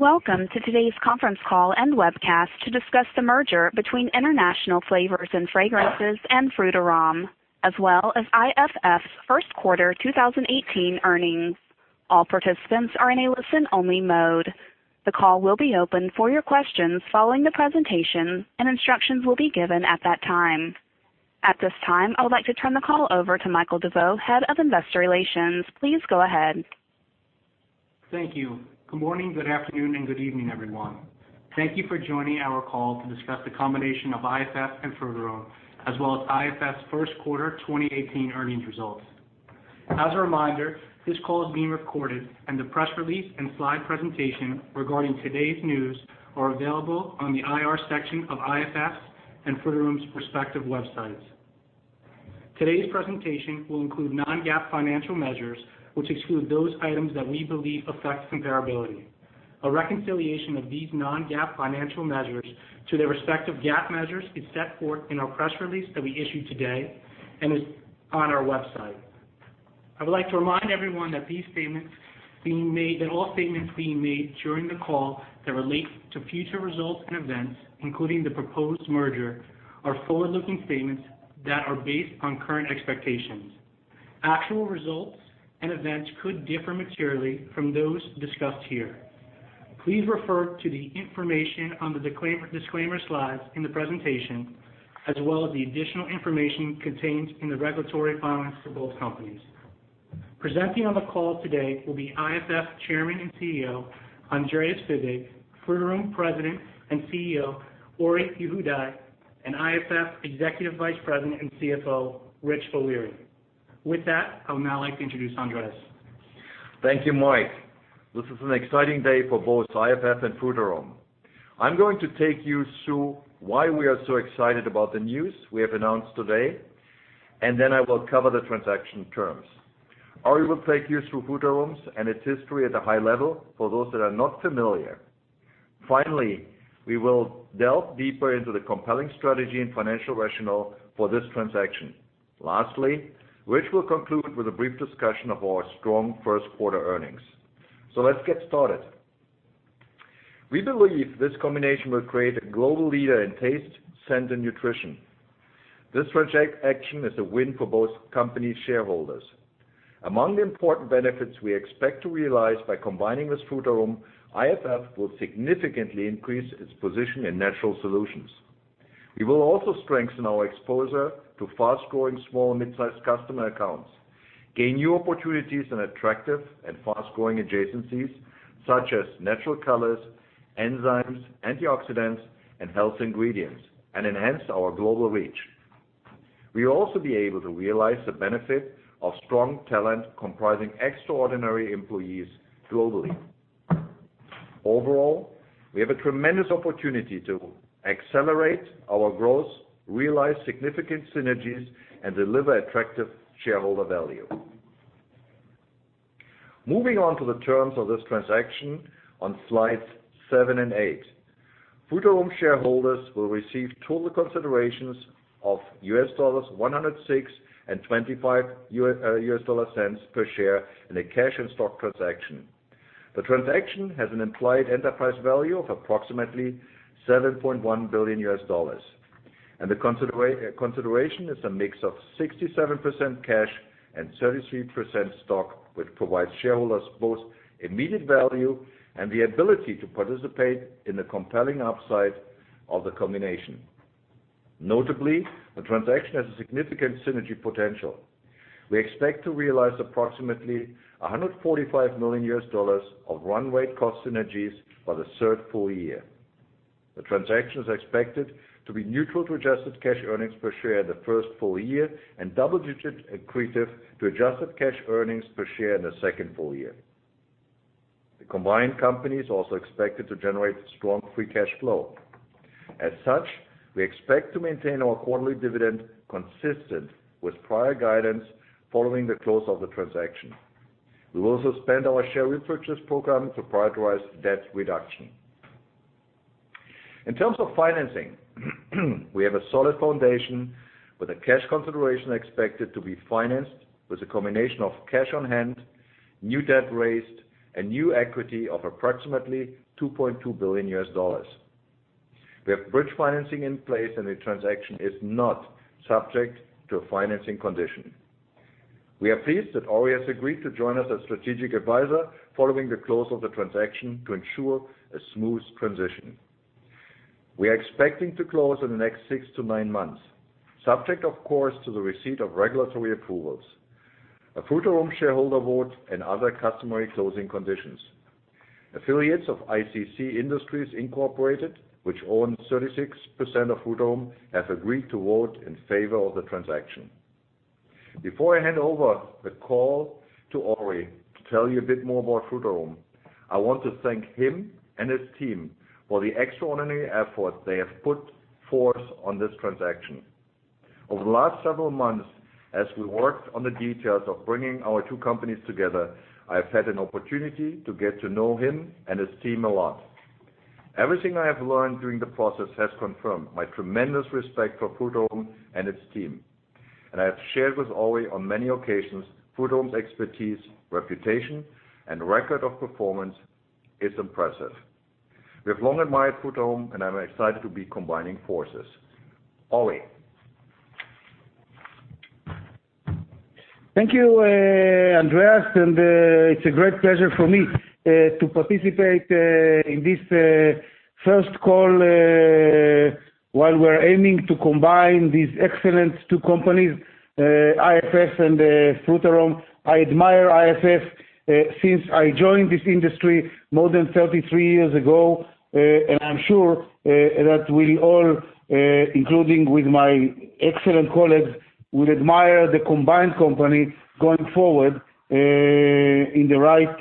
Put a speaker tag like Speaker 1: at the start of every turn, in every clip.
Speaker 1: Welcome to today's conference call and webcast to discuss the merger between International Flavors & Fragrances and Frutarom, as well as IFF's first quarter 2018 earnings. All participants are in a listen-only mode. The call will be open for your questions following the presentation, and instructions will be given at that time. At this time, I would like to turn the call over to Michael DeVeau, Head of Investor Relations. Please go ahead.
Speaker 2: Thank you. Good morning, good afternoon, and good evening, everyone. Thank you for joining our call to discuss the combination of IFF and Frutarom, as well as IFF's first quarter 2018 earnings results. As a reminder, this call is being recorded, and the press release and slide presentation regarding today's news are available on the IR section of IFF's and Frutarom's respective websites. Today's presentation will include non-GAAP financial measures, which exclude those items that we believe affect comparability. A reconciliation of these non-GAAP financial measures to their respective GAAP measures is set forth in our press release that we issued today and is on our website. I would like to remind everyone that all statements being made during the call that relate to future results and events, including the proposed merger, are forward-looking statements that are based on current expectations. Actual results and events could differ materially from those discussed here. Please refer to the information on the disclaimer slides in the presentation, as well as the additional information contained in the regulatory filings for both companies. Presenting on the call today will be IFF Chairman and CEO, Andreas Fibig, Frutarom President and CEO, Ori Yehudai, and IFF Executive Vice President and CFO, Rich O'Leary. With that, I would now like to introduce Andreas.
Speaker 3: Thank you, Mike. This is an exciting day for both IFF and Frutarom. I'm going to take you through why we are so excited about the news we have announced today, and then I will cover the transaction terms. Ori will take you through Frutarom and its history at a high level for those that are not familiar. Finally, we will delve deeper into the compelling strategy and financial rationale for this transaction. Lastly, Rich will conclude with a brief discussion of our strong first quarter earnings. Let's get started. We believe this combination will create a global leader in taste, scent, and nutrition. This transaction is a win for both company shareholders. Among the important benefits we expect to realize by combining with Frutarom, IFF will significantly increase its position in natural solutions. We will also strengthen our exposure to fast-growing small and mid-sized customer accounts, gain new opportunities in attractive and fast-growing adjacencies such as natural colors, enzymes, antioxidants, and health ingredients, and enhance our global reach. We will also be able to realize the benefit of strong talent comprising extraordinary employees globally. Overall, we have a tremendous opportunity to accelerate our growth, realize significant synergies, and deliver attractive shareholder value. Moving on to the terms of this transaction on slides seven and eight. Frutarom shareholders will receive total considerations of $106.25 per share in a cash and stock transaction. The transaction has an implied enterprise value of approximately $7.1 billion, and the consideration is a mix of 67% cash and 33% stock, which provides shareholders both immediate value and the ability to participate in the compelling upside of the combination. Notably, the transaction has a significant synergy potential. We expect to realize approximately $145 million of run rate cost synergies by the third full year. The transaction is expected to be neutral to adjusted cash earnings per share in the first full year and double-digits accretive to adjusted cash earnings per share in the second full year. The combined company is also expected to generate strong free cash flow. As such, we expect to maintain our quarterly dividend consistent with prior guidance following the close of the transaction. We will also suspend our share repurchase program to prioritize debt reduction. In terms of financing, we have a solid foundation with the cash consideration expected to be financed with a combination of cash on hand, new debt raised, and new equity of approximately $2.2 billion. We have bridge financing in place, and the transaction is not subject to a financing condition. We are pleased that Ori has agreed to join us as strategic advisor following the close of the transaction to ensure a smooth transition. We are expecting to close in the next six to nine months, subject, of course, to the receipt of regulatory approvals. A Frutarom shareholder vote and other customary closing conditions. Affiliates of ICC Industries Incorporated, which owns 36% of Frutarom, have agreed to vote in favor of the transaction. Before I hand over the call to Ori to tell you a bit more about Frutarom, I want to thank him and his team for the extraordinary effort they have put forth on this transaction. Over the last several months, as we worked on the details of bringing our two companies together, I have had an opportunity to get to know him and his team a lot. Everything I have learned during the process has confirmed my tremendous respect for Frutarom and its team, and I have shared with Ori on many occasions, Frutarom's expertise, reputation, and record of performance is impressive. We have long admired Frutarom, and I'm excited to be combining forces. Ori.
Speaker 4: Thank you, Andreas, it's a great pleasure for me to participate in this first call while we're aiming to combine these excellent two companies, IFF and Frutarom. I admire IFF since I joined this industry more than 33 years ago, I'm sure that we all, including with my excellent colleagues, will admire the combined company going forward in the right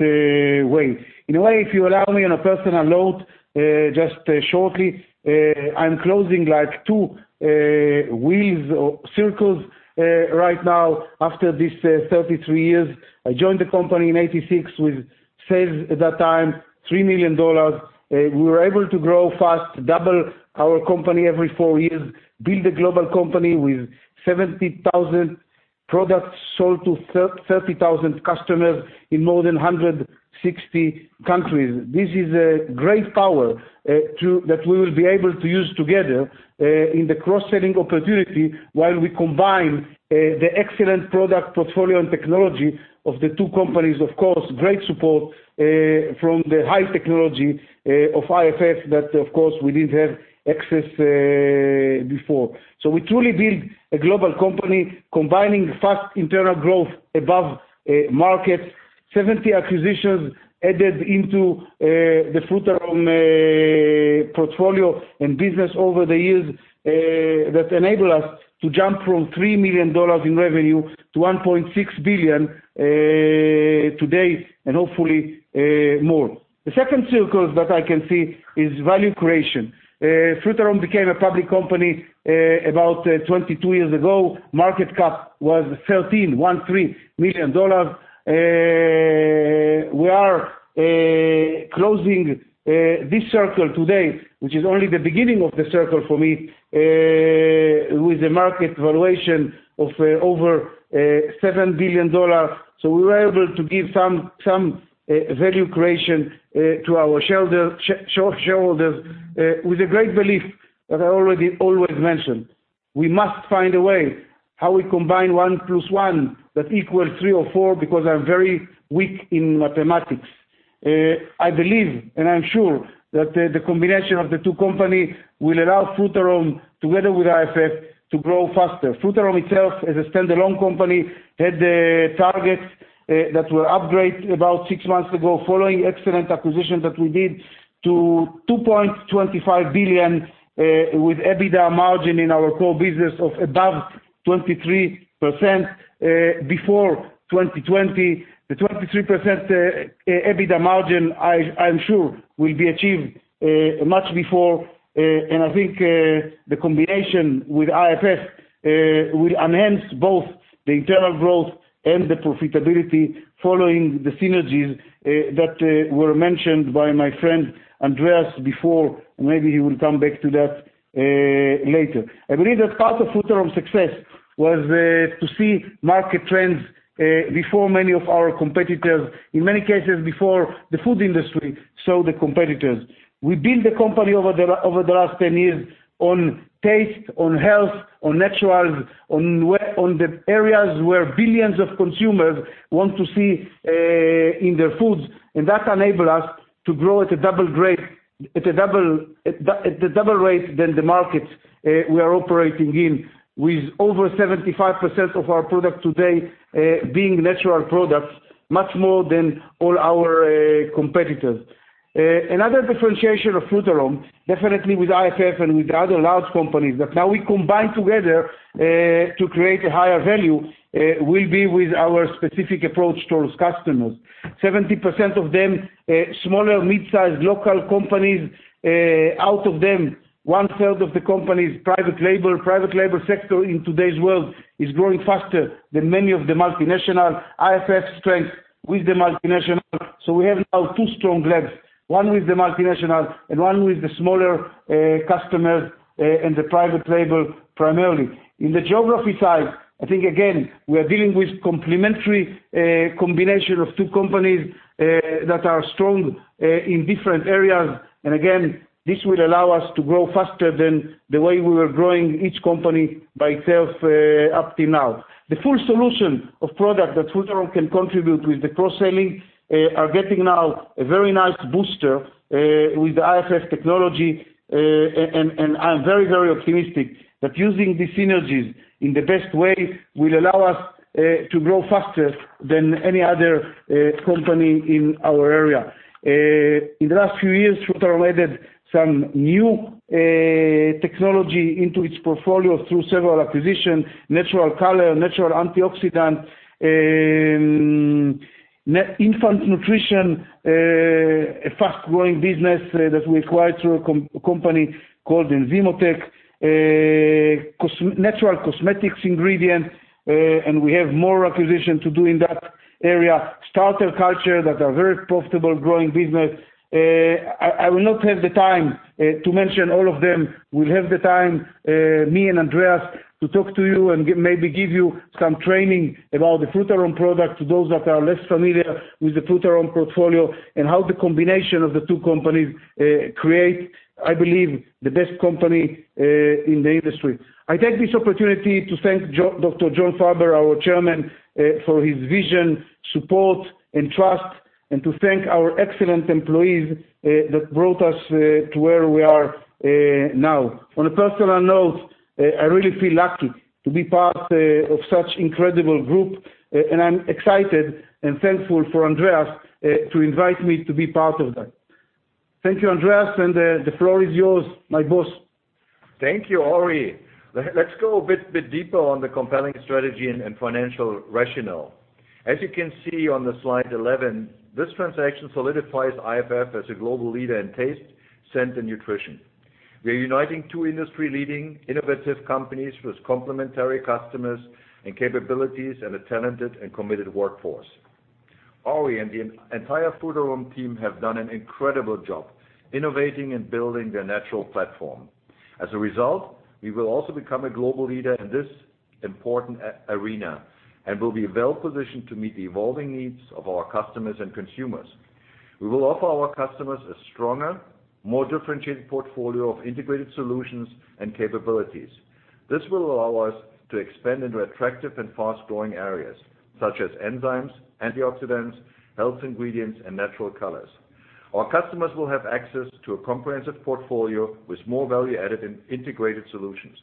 Speaker 4: way. In a way, if you allow me on a personal note, just shortly, I'm closing two wheels or circles right now after these 33 years. I joined the company in 1986 with sales at that time, $3 million. We were able to grow fast, double our company every four years, build a global company with 70,000 products sold to 30,000 customers in more than 160 countries. This is a great power that we will be able to use together in the cross-selling opportunity while we combine the excellent product portfolio and technology of the two companies. Great support from the high technology of IFF that, of course, we didn't have access before. We truly build a global company combining fast internal growth above markets. 70 acquisitions added into the Frutarom portfolio and business over the years that enable us to jump from $3 million in revenue to $1.6 billion today, hopefully more. The second circle that I can see is value creation. Frutarom became a public company about 22 years ago. Market cap was $13 million. We are closing this circle today, which is only the beginning of the circle for me, with a market valuation of over $7 billion. We were able to give some value creation to our shareholders with a great belief that I already always mentioned. We must find a way how we combine one plus one that equals three or four because I'm very weak in mathematics. I believe, I'm sure that the combination of the two company will allow Frutarom, together with IFF, to grow faster. Frutarom itself, as a standalone company, had targets that were upgraded about six months ago following excellent acquisitions that we did to $2.25 billion with EBITDA margin in our core business of above 23% before 2020. The 23% EBITDA margin, I'm sure will be achieved much before, I think the combination with IFF will enhance both the internal growth and the profitability following the synergies that were mentioned by my friend Andreas before. Maybe he will come back to that later. I believe that part of Frutarom's success was to see market trends before many of our competitors, in many cases before the food industry saw the competitors. We built the company over the last 10 years on taste, on health, on natural, on the areas where billions of consumers want to see in their foods, that enable us to grow at a double rate than the markets we are operating in, with over 75% of our product today being natural products, much more than all our competitors. Another differentiation of Frutarom, definitely with IFF and with other large companies that now we combine together to create a higher value, will be with our specific approach towards customers. 70% of them, smaller, mid-size local companies. Out of them, one-third of the company's private label. Private label sector in today's world is growing faster than many of the multinational. IFF's strength with the multinational. We have now two strong legs, one with the multinational and one with the smaller customers and the private label, primarily. In the geography side, I think, again, we are dealing with complementary combination of two companies that are strong in different areas. Again, this will allow us to grow faster than the way we were growing each company by itself up till now. The full solution of product that Frutarom can contribute with the cross-selling are getting now a very nice booster with the IFF technology, and I'm very, very optimistic that using the synergies in the best way will allow us to grow faster than any other company in our area. In the last few years, Frutarom added some new technology into its portfolio through several acquisitions: natural color, natural antioxidant, infant nutrition, a fast-growing business that we acquired through a company called Enzymotec, natural cosmetics ingredient, and we have more acquisition to do in that area. Starter culture that are very profitable growing business. I will not have the time to mention all of them. We'll have the time, me and Andreas, to talk to you and maybe give you some training about the Frutarom product to those that are less familiar with the Frutarom portfolio and how the combination of the two companies create, I believe, the best company in the industry. I take this opportunity to thank Dr. John Farber, our chairman, for his vision, support, and trust, and to thank our excellent employees that brought us to where we are now. On a personal note, I really feel lucky to be part of such incredible group, and I'm excited and thankful for Andreas to invite me to be part of that. Thank you, Andreas, the floor is yours, my boss.
Speaker 3: Thank you, Ori. Let's go a bit deeper on the compelling strategy and financial rationale. As you can see on the slide 11, this transaction solidifies IFF as a global leader in taste, scent, and nutrition. We are uniting two industry-leading innovative companies with complementary customers and capabilities and a talented and committed workforce. Ori and the entire Frutarom team have done an incredible job innovating and building their natural platform. As a result, we will also become a global leader in this important arena and will be well-positioned to meet the evolving needs of our customers and consumers. We will offer our customers a stronger, more differentiated portfolio of integrated solutions and capabilities. This will allow us to expand into attractive and fast-growing areas such as enzymes, antioxidants, health ingredients, and natural colors. Our customers will have access to a comprehensive portfolio with more value added in integrated solutions.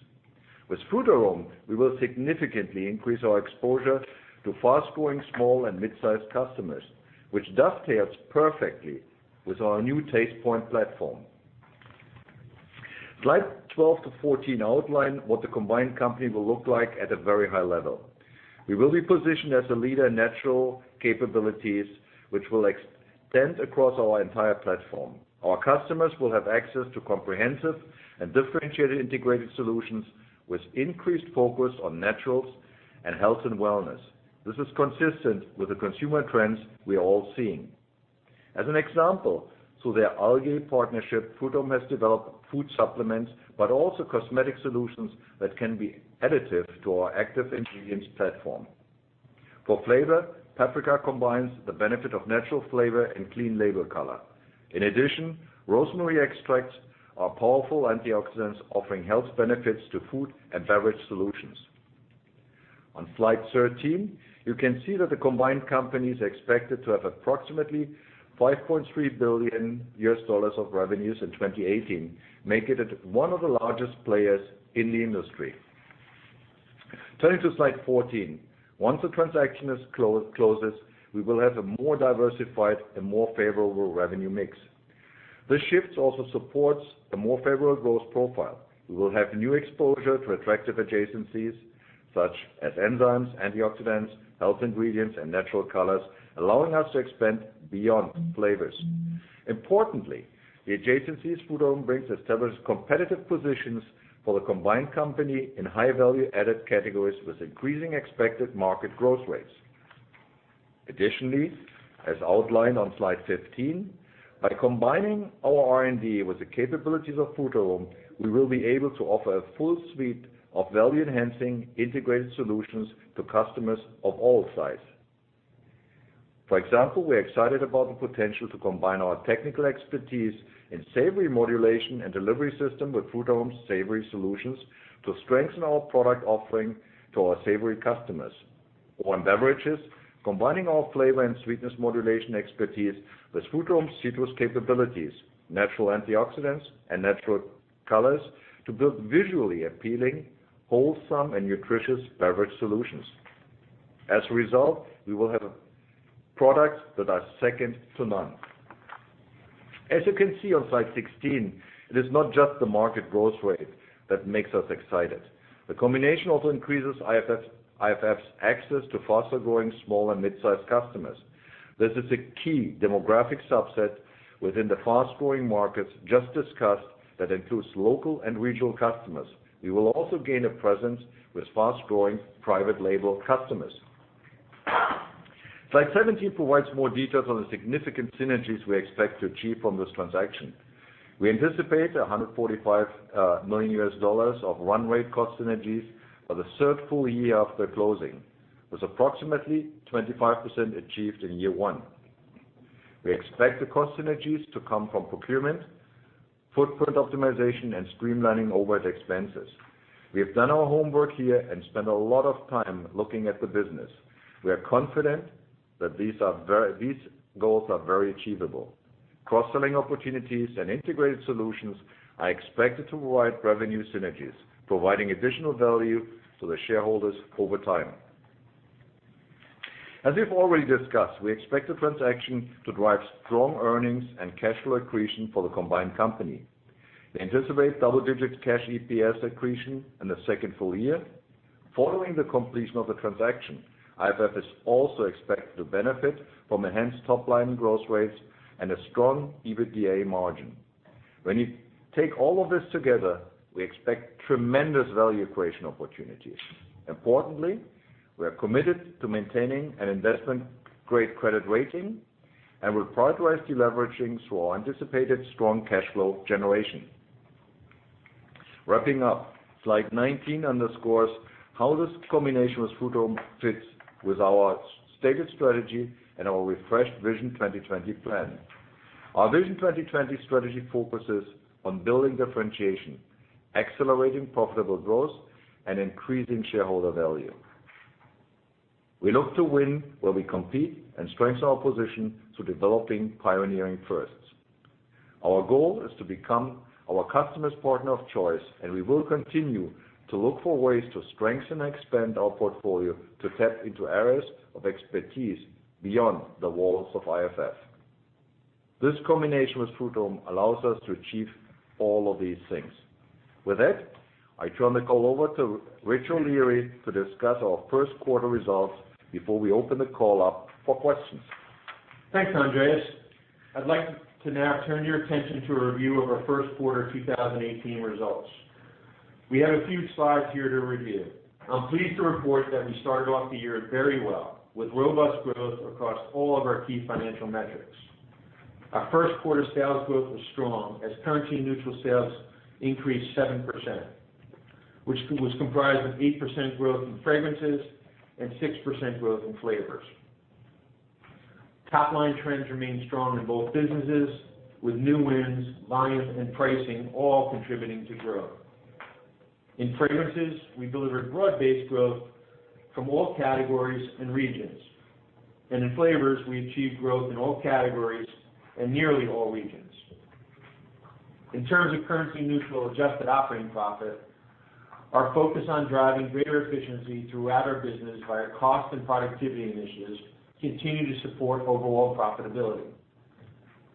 Speaker 3: With Frutarom, we will significantly increase our exposure to fast-growing small and mid-sized customers, which dovetails perfectly with our new Tastepoint platform. Slides 12 to 14 outline what the combined company will look like at a very high level. We will be positioned as a leader in natural capabilities, which will extend across our entire platform. Our customers will have access to comprehensive and differentiated integrated solutions with increased focus on naturals and health and wellness. This is consistent with the consumer trends we are all seeing. As an example, through their algae partnership, Frutarom has developed food supplements, but also cosmetic solutions that can be additive to our active ingredients platform. For flavor, paprika combines the benefit of natural flavor and clean label color. In addition, rosemary extracts are powerful antioxidants offering health benefits to food and beverage solutions. On slide 13, you can see that the combined companies are expected to have approximately $5.3 billion of revenues in 2018, making it one of the largest players in the industry. Turning to slide 14. Once the transaction closes, we will have a more diversified and more favorable revenue mix. This shift also supports a more favorable growth profile. We will have new exposure to attractive adjacencies such as enzymes, antioxidants, health ingredients, and natural colors, allowing us to expand beyond flavors. Importantly, the adjacencies Frutarom brings establish competitive positions for the combined company in high value added categories with increasing expected market growth rates. Additionally, as outlined on slide 15, by combining our R&D with the capabilities of Frutarom, we will be able to offer a full suite of value enhancing integrated solutions to customers of all size. For example, we're excited about the potential to combine our technical expertise in savory modulation and delivery system with Frutarom's savory solutions to strengthen our product offering to our savory customers. On beverages, combining our flavor and sweetness modulation expertise with Frutarom's citrus capabilities, natural antioxidants, and natural colors to build visually appealing, wholesome, and nutritious beverage solutions. As a result, we will have products that are second to none. As you can see on slide 16, it is not just the market growth rate that makes us excited. The combination also increases IFF's access to faster-growing small and mid-size customers. This is a key demographic subset within the fast-growing markets just discussed that includes local and regional customers. We will also gain a presence with fast-growing private label customers. Slide 17 provides more details on the significant synergies we expect to achieve from this transaction. We anticipate $145 million of run rate cost synergies by the third full year after closing, with approximately 25% achieved in year one. We expect the cost synergies to come from procurement, footprint optimization, and streamlining overhead expenses. We have done our homework here and spent a lot of time looking at the business. We are confident that these goals are very achievable. Cross-selling opportunities and integrated solutions are expected to provide revenue synergies, providing additional value to the shareholders over time. As we've already discussed, we expect the transaction to drive strong earnings and cash flow accretion for the combined company. We anticipate double-digit cash EPS accretion in the second full year. Following the completion of the transaction, IFF is also expected to benefit from enhanced top-line growth rates and a strong EBITDA margin. When you take all of this together, we expect tremendous value creation opportunities. Importantly, we are committed to maintaining an investment-grade credit rating and will prioritize deleveraging through our anticipated strong cash flow generation. Wrapping up, slide 19 underscores how this combination with Frutarom fits with our stated strategy and our refreshed Vision 2020 plan. Our Vision 2020 strategy focuses on building differentiation, accelerating profitable growth, and increasing shareholder value. We look to win where we compete and strengthen our position through developing pioneering firsts. Our goal is to become our customers' partner of choice, and we will continue to look for ways to strengthen and expand our portfolio to tap into areas of expertise beyond the walls of IFF. This combination with Frutarom allows us to achieve all of these things. With that, I turn the call over to Richard O'Leary to discuss our first quarter results before we open the call up for questions.
Speaker 5: Thanks, Andreas. I'd like to now turn your attention to a review of our first quarter 2018 results. We have a few slides here to review. I'm pleased to report that we started off the year very well, with robust growth across all of our key financial metrics. Our first quarter sales growth was strong as currency-neutral sales increased 7%, which was comprised of 8% growth in Fragrances and 6% growth in Flavors. Top-line trends remain strong in both businesses, with new wins, volume, and pricing all contributing to growth. In Fragrances, we delivered broad-based growth from all categories and regions. In Flavors, we achieved growth in all categories and nearly all regions. In terms of currency-neutral adjusted operating profit, our focus on driving greater efficiency throughout our business via cost and productivity initiatives continue to support overall profitability.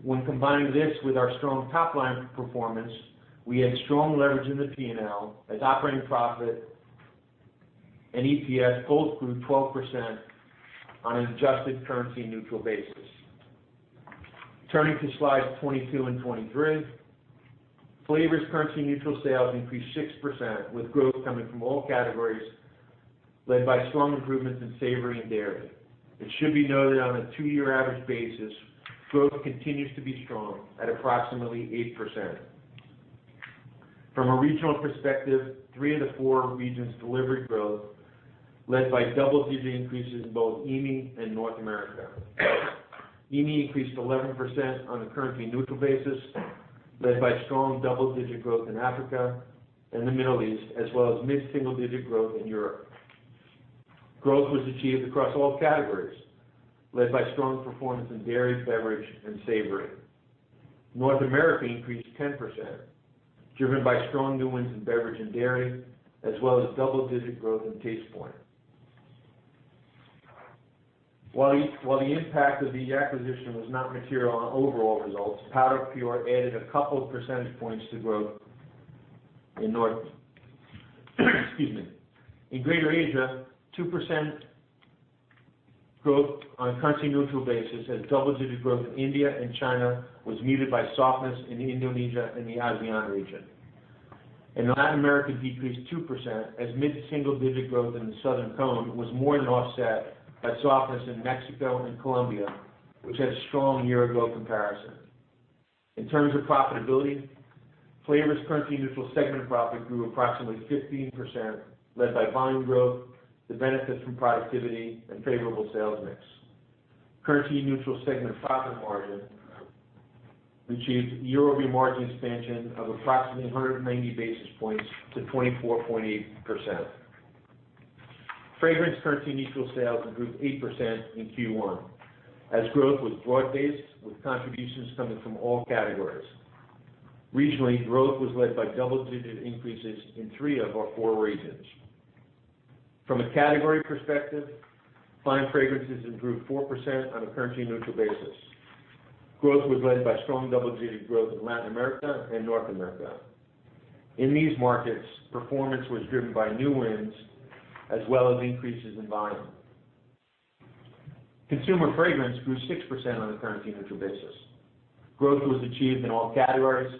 Speaker 5: When combining this with our strong top-line performance, we had strong leverage in the P&L as operating profit and EPS both grew 12% on an adjusted currency-neutral basis. Turning to slides 22 and 23, Flavors currency-neutral sales increased 6%, with growth coming from all categories, led by strong improvements in savory and dairy. It should be noted on a two-year average basis, growth continues to be strong at approximately 8%. From a regional perspective, three of the four regions delivered growth, led by double-digit increases in both EMEA and North America. EMEA increased 11% on a currency-neutral basis, led by strong double-digit growth in Africa and the Middle East, as well as mid-single-digit growth in Europe. Growth was achieved across all categories, led by strong performance in dairy, beverage, and savory. North America increased 10%, driven by strong new wins in beverage and dairy, as well as double-digit growth in Tastepoint. While the impact of the acquisition was not material on overall results, PowderPure added a couple of percentage points to growth in North-- Excuse me. In Greater Asia, 2% growth on a currency-neutral basis and double-digit growth in India and China was muted by softness in Indonesia and the ASEAN region. Latin America decreased 2% as mid-single-digit growth in the Southern Cone was more than offset by softness in Mexico and Colombia, which had a strong year-ago comparison. In terms of profitability, Flavors currency-neutral segment profit grew approximately 15%, led by volume growth, the benefits from productivity, and favorable sales mix. Currency-neutral segment profit margin achieved year-over-year margin expansion of approximately 190 basis points to 24.8%. Fragrance currency-neutral sales improved 8% in Q1 as growth was broad-based, with contributions coming from all categories. Regionally, growth was led by double-digit increases in three of our four regions. From a category perspective, Fine Fragrances improved 4% on a currency-neutral basis. Growth was led by strong double-digit growth in Latin America and North America. In these markets, performance was driven by new wins as well as increases in volume. Consumer Fragrances grew 6% on a currency-neutral basis. Growth was achieved in all categories,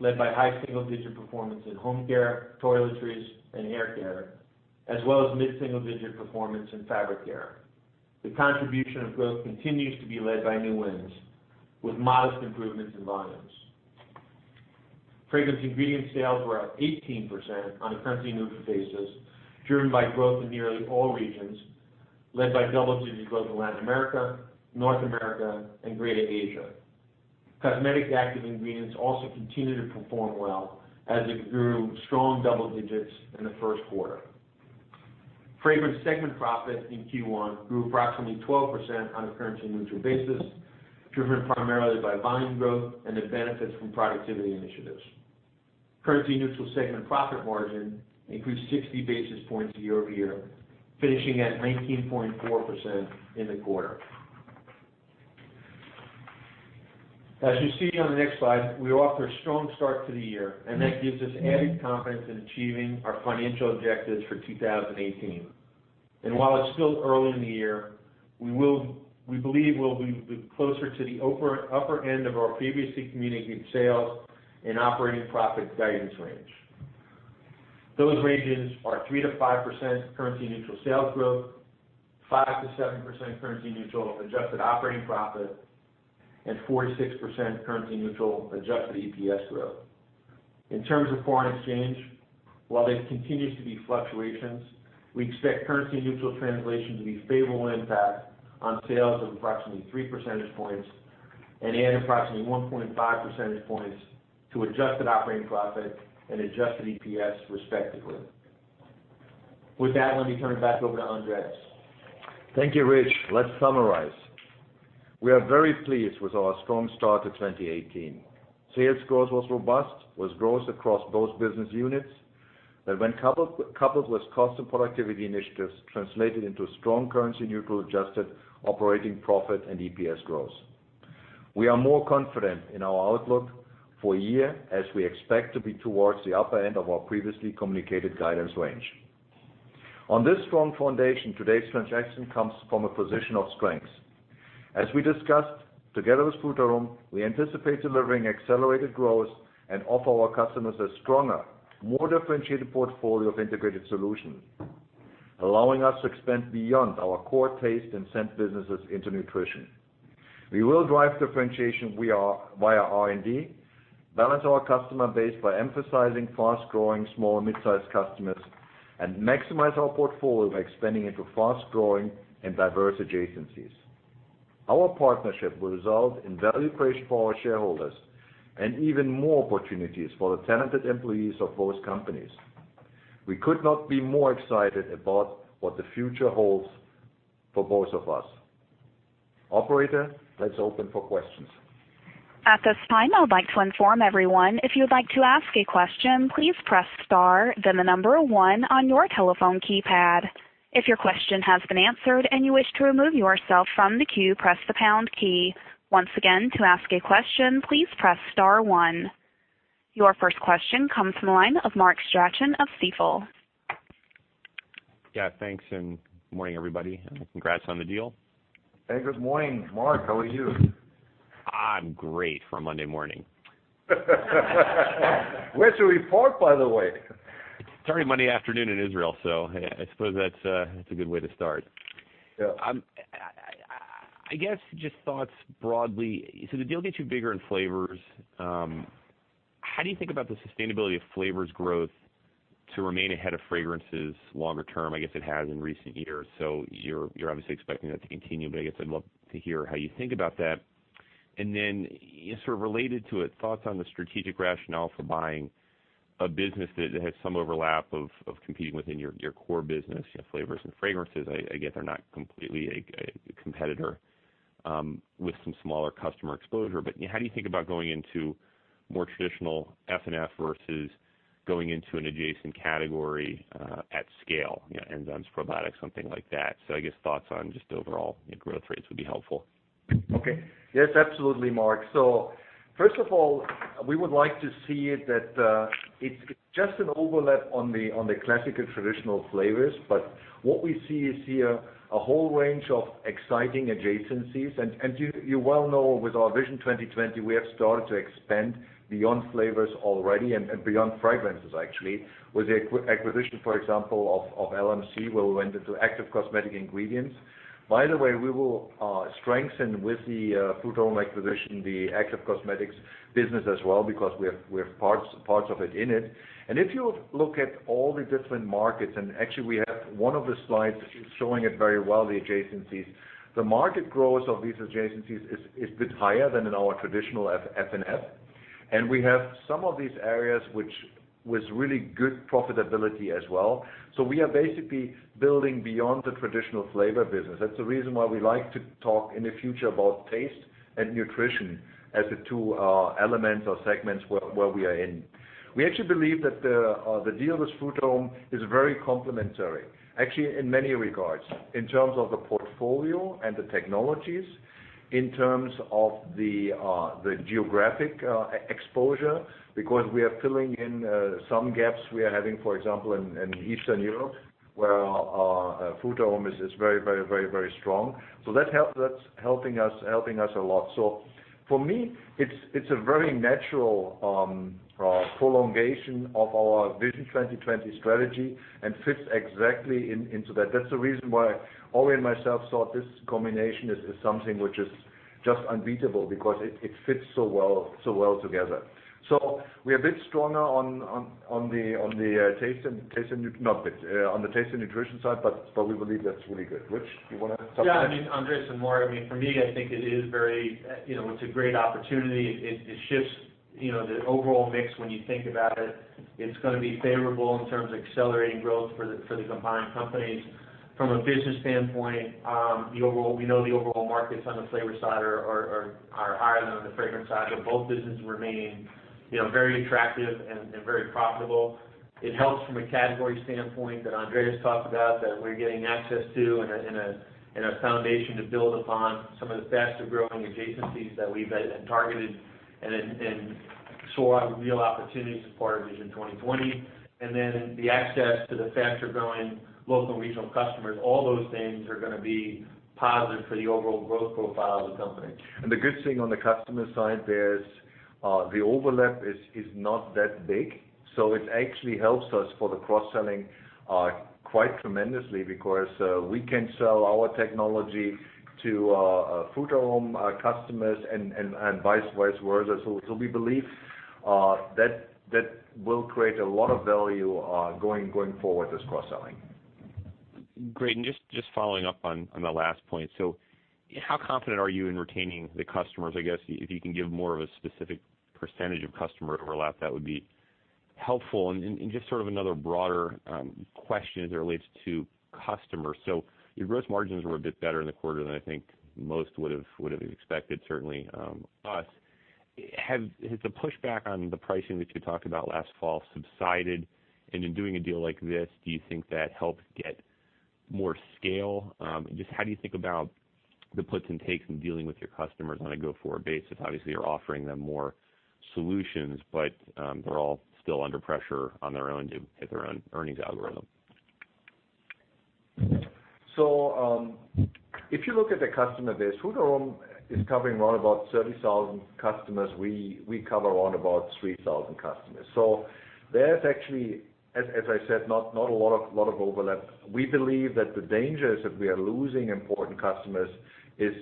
Speaker 5: led by high single-digit performance in home care, toiletries, and hair care, as well as mid-single-digit performance in fabric care. The contribution of growth continues to be led by new wins, with modest improvements in volumes. Fragrance ingredient sales were up 18% on a currency-neutral basis, driven by growth in nearly all regions, led by double-digit growth in Latin America, North America, and Greater Asia. Cosmetic active ingredients also continue to perform well as it grew strong double digits in the first quarter. Fragrance segment profit in Q1 grew approximately 12% on a currency-neutral basis, driven primarily by volume growth and the benefits from productivity initiatives. Currency-neutral segment profit margin increased 60 basis points year-over-year, finishing at 19.4% in the quarter. As you see on the next slide, we're off to a strong start to the year, and that gives us added confidence in achieving our financial objectives for 2018. While it's still early in the year, we believe we'll be closer to the upper end of our previously communicated sales and operating profit guidance range. Those ranges are 3%-5% currency neutral sales growth, 5%-7% currency neutral adjusted operating profit, and 4%–6% currency neutral adjusted EPS growth. In terms of foreign exchange, while there continues to be fluctuations, we expect currency neutral translation to be a favorable impact on sales of approximately three percentage points, and approximately 1.5 percentage points to adjusted operating profit and adjusted EPS respectively. With that, let me turn it back over to Andreas.
Speaker 3: Thank you, Rich. Let's summarize. We are very pleased with our strong start to 2018. Sales growth was robust, with growth across both business units, that when coupled with cost and productivity initiatives, translated into strong currency neutral adjusted operating profit and EPS growth. We are more confident in our outlook for the year, as we expect to be towards the upper end of our previously communicated guidance range. On this strong foundation, today's transaction comes from a position of strength. As we discussed, together with Frutarom, we anticipate delivering accelerated growth and offer our customers a stronger, more differentiated portfolio of integrated solutions, allowing us to expand beyond our core taste and scent businesses into nutrition. We will drive differentiation via R&D, balance our customer base by emphasizing fast-growing small and mid-size customers, and maximize our portfolio by expanding into fast-growing and diverse adjacencies. Our partnership will result in value creation for our shareholders and even more opportunities for the talented employees of both companies. We could not be more excited about what the future holds for both of us. Operator, let's open for questions.
Speaker 1: At this time, I would like to inform everyone, if you would like to ask a question, please press star then the number 1 on your telephone keypad. If your question has been answered and you wish to remove yourself from the queue, press the pound key. Once again, to ask a question, please press star 1. Your first question comes from the line of Mark Astrachan of Stifel.
Speaker 6: Yeah, thanks, and good morning, everybody, and congrats on the deal.
Speaker 3: Hey, good morning, Mark. How are you?
Speaker 6: I'm great for a Monday morning.
Speaker 3: Where's your report, by the way?
Speaker 6: It's already Monday afternoon in Israel, I suppose that's a good way to start.
Speaker 3: Yeah.
Speaker 6: I guess just thoughts broadly, the deal gets you bigger in Flavors. How do you think about the sustainability of Flavors growth to remain ahead of Fragrances longer term? I guess it has in recent years, you're obviously expecting that to continue, but I guess I'd love to hear how you think about that. Then, sort of related to it, thoughts on the strategic rationale for buying a business that has some overlap of competing within your core business, Flavors and Fragrances. I get they're not completely a competitor with some smaller customer exposure. How do you think about going into more traditional F&F versus going into an adjacent category at scale, enzymes, probiotics, something like that? I guess thoughts on just overall growth rates would be helpful.
Speaker 3: Okay. Yes, absolutely, Mark. First of all, we would like to see that it's just an overlap on the classical traditional Flavors. But what we see is a whole range of exciting adjacencies. You well know with our Vision 2020, we have started to expand beyond Flavors already, and beyond Fragrances actually, with the acquisition, for example, of LMR, where we went into active cosmetic ingredients. By the way, we will strengthen with the Frutarom acquisition, the active cosmetics business as well, because we have parts of it in it. If you look at all the different markets, and actually we have one of the slides showing it very well, the adjacencies. The market growth of these adjacencies is a bit higher than in our traditional F&F. We have some of these areas with really good profitability as well. We are basically building beyond the traditional Flavors business. That's the reason why we like to talk in the future about Taste and Nutrition as the two elements or segments where we are in. We actually believe that the deal with Frutarom is very complementary, actually in many regards. In terms of the portfolio and the technologies, in terms of the geographic exposure, because we are filling in some gaps we are having, for example, in Eastern Europe, where Frutarom is very strong. That's helping us a lot. For me, it's a very natural prolongation of our Vision 2020 strategy and fits exactly into that. That's the reason why Ori and myself thought this combination is something which is just unbeatable because it fits so well together. We are a bit stronger on the Taste and Nutrition side, but we believe that's really good. Rich, you want to supplement?
Speaker 5: Yeah, Andreas and Mark, for me, I think it's a great opportunity. It shifts the overall mix when you think about it. It's going to be favorable in terms of accelerating growth for the combined companies. From a business standpoint, we know the overall markets on the Flavors side are higher than on the Fragrances side, but both businesses remain very attractive and very profitable. It helps from a category standpoint that Andreas talked about, that we're getting access to and a foundation to build upon some of the faster-growing adjacencies that we've targeted and So I have a real opportunity to support our Vision 2020, and then the access to the faster-growing local and regional customers, all those things are going to be positive for the overall growth profile of the company.
Speaker 3: The good thing on the customer side there is the overlap is not that big. It actually helps us for the cross-selling quite tremendously because we can sell our technology to Frutarom customers and vice versa. We believe that will create a lot of value going forward, this cross-selling.
Speaker 6: Great. Just following up on the last point. How confident are you in retaining the customers? I guess if you can give more of a specific percentage of customer overlap, that would be helpful. Just sort of another broader question as it relates to customers. Your gross margins were a bit better in the quarter than I think most would have expected, certainly us. Has the pushback on the pricing that you talked about last fall subsided, and in doing a deal like this, do you think that helps get more scale? Just how do you think about the puts and takes in dealing with your customers on a go-forward basis? Obviously, you're offering them more solutions, but they're all still under pressure on their own to hit their own earnings algorithm.
Speaker 3: If you look at the customer base, Frutarom is covering around about 30,000 customers. We cover around about 3,000 customers. There's actually, as I said, not a lot of overlap. We believe that the dangers that we are losing important customers is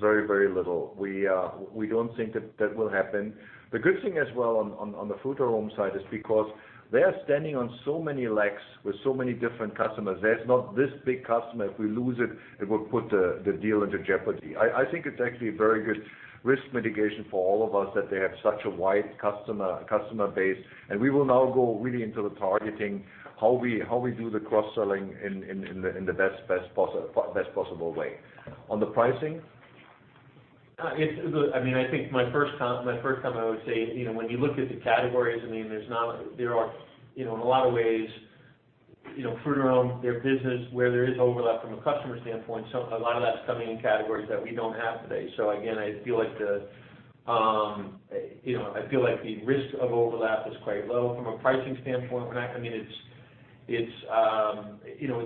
Speaker 3: very little. We don't think that that will happen. The good thing as well on the Frutarom side is because they're standing on so many legs with so many different customers, there's not this big customer, if we lose it will put the deal into jeopardy. I think it's actually a very good risk mitigation for all of us that they have such a wide customer base, and we will now go really into the targeting, how we do the cross-selling in the best possible way. On the pricing?
Speaker 5: I think my first comment I would say, when you look at the categories, there are in a lot of ways, Frutarom, their business, where there is overlap from a customer standpoint, so a lot of that's coming in categories that we don't have today. Again, I feel like the risk of overlap is quite low from a pricing standpoint. It's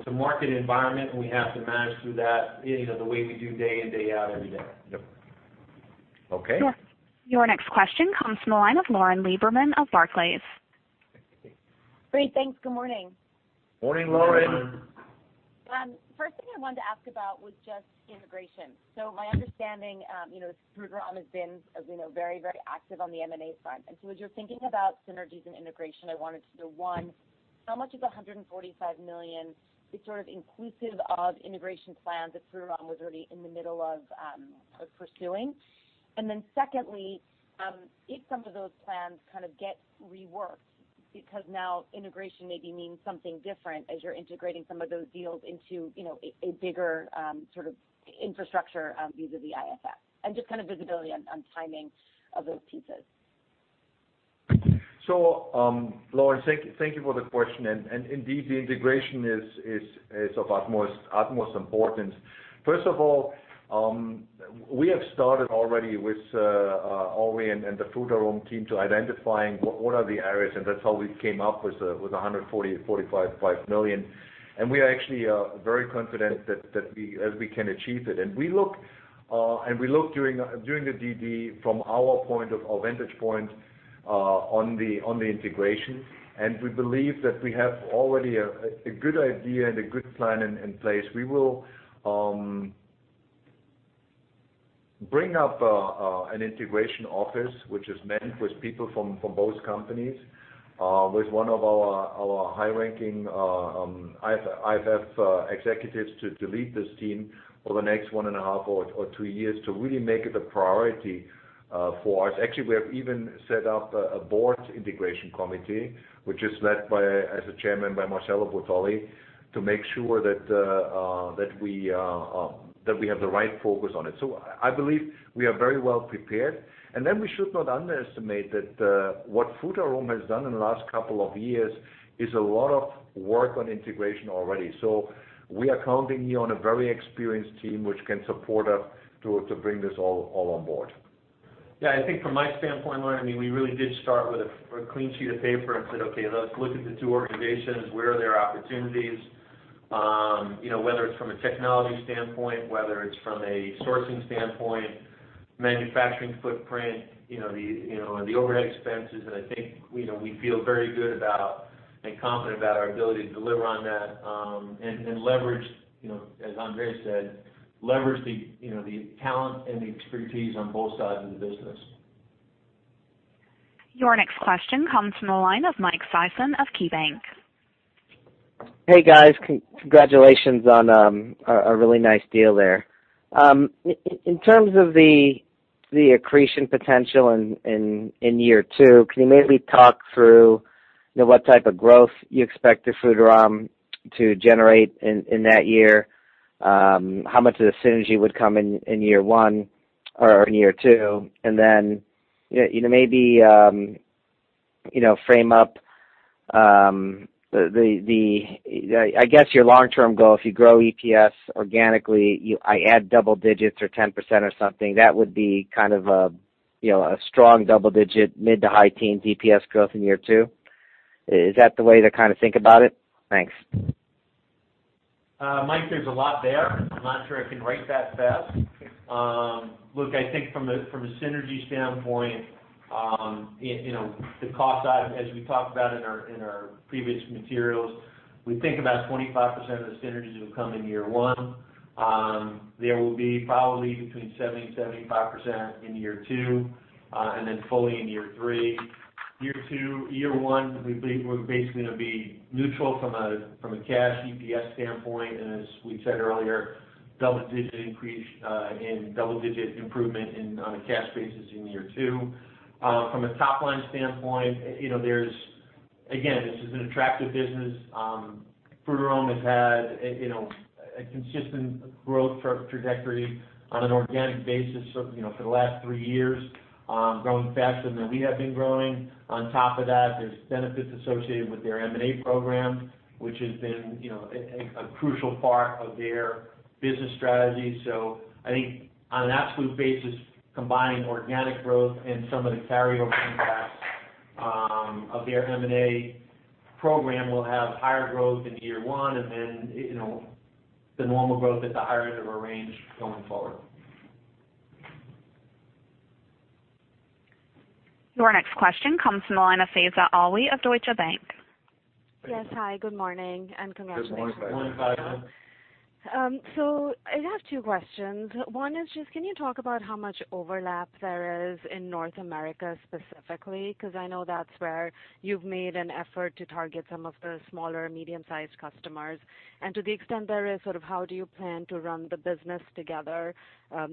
Speaker 5: a market environment, and we have to manage through that the way we do day in, day out every day.
Speaker 3: Yep. Okay.
Speaker 1: Your next question comes from the line of Lauren Lieberman of Barclays.
Speaker 7: Great. Thanks. Good morning.
Speaker 5: Morning, Lauren.
Speaker 3: Morning.
Speaker 7: First thing I wanted to ask about was just integration. My understanding, Frutarom has been, as we know, very active on the M&A front. As you're thinking about synergies and integration, I wanted to know, one, how much of the $145 million is sort of inclusive of integration plans that Frutarom was already in the middle of pursuing? Secondly, if some of those plans get reworked, because now integration maybe means something different as you're integrating some of those deals into a bigger infrastructure vis-à-vis IFF. Just visibility on timing of those pieces.
Speaker 3: Lauren, thank you for the question. Indeed, the integration is of utmost importance. First of all, we have started already with Ori and the Frutarom team to identifying what are the areas, and that's how we came up with $145 million. We are actually very confident that we can achieve it. We look during the DD from our vantage point on the integration, and we believe that we have already a good idea and a good plan in place. We will bring up an integration office, which is manned with people from both companies, with one of our high-ranking IFF executives to lead this team over the next one and a half or two years to really make it a priority for us. Actually, we have even set up a board integration committee, which is led by, as a chairman, by Marcello Bottoli, to make sure that we have the right focus on it. I believe we are very well prepared. We should not underestimate that what Frutarom has done in the last couple of years is a lot of work on integration already. We are counting here on a very experienced team, which can support us to bring this all on board.
Speaker 5: Yeah, I think from my standpoint, Lauren, we really did start with a clean sheet of paper and said, "Okay, let's look at the two organizations. Where are there opportunities?" Whether it's from a technology standpoint, whether it's from a sourcing standpoint, manufacturing footprint, the overhead expenses. I think we feel very good about and confident about our ability to deliver on that, and leverage, as Andreas said, leverage the talent and the expertise on both sides of the business.
Speaker 1: Your next question comes from the line of Michael Sison of KeyBanc.
Speaker 8: Hey, guys. Congratulations on a really nice deal there. In terms of the accretion potential in year two, can you maybe talk through what type of growth you expect the Frutarom to generate in that year? How much of the synergy would come in year one or in year two? Then maybe frame up I guess your long-term goal, if you grow EPS organically, I add double digits or 10% or something, that would be kind of a strong double-digit mid to high teens EPS growth in year two. Is that the way to think about it? Thanks.
Speaker 5: Mike, there's a lot there. I'm not sure I can write that fast. Look, I think from a synergy standpoint, the cost side, as we talked about in our previous materials, we think about 25% of the synergies will come in year one. There will be probably between 70% and 75% in year two, then fully in year three. Year one, we believe we're basically going to be neutral from a cash EPS standpoint, and as we said earlier, double-digit increase and double-digit improvement on a cash basis in year two. From a top-line standpoint, again, this is an attractive business. Frutarom has had a consistent growth trajectory on an organic basis for the last three years, growing faster than we have been growing. On top of that, there's benefits associated with their M&A program, which has been a crucial part of their business strategy. I think on an absolute basis, combining organic growth and some of the carryover impacts of their M&A program will have higher growth in year one, then, the normal growth at the higher end of our range going forward.
Speaker 1: Your next question comes from the line of Faiza Alwy of Deutsche Bank.
Speaker 9: Yes. Hi, good morning and congratulations.
Speaker 5: Good morning, Faiza.
Speaker 9: I have two questions. One is just, can you talk about how much overlap there is in North America specifically, because I know that's where you've made an effort to target some of the smaller medium-sized customers. To the extent there is, sort of how do you plan to run the business together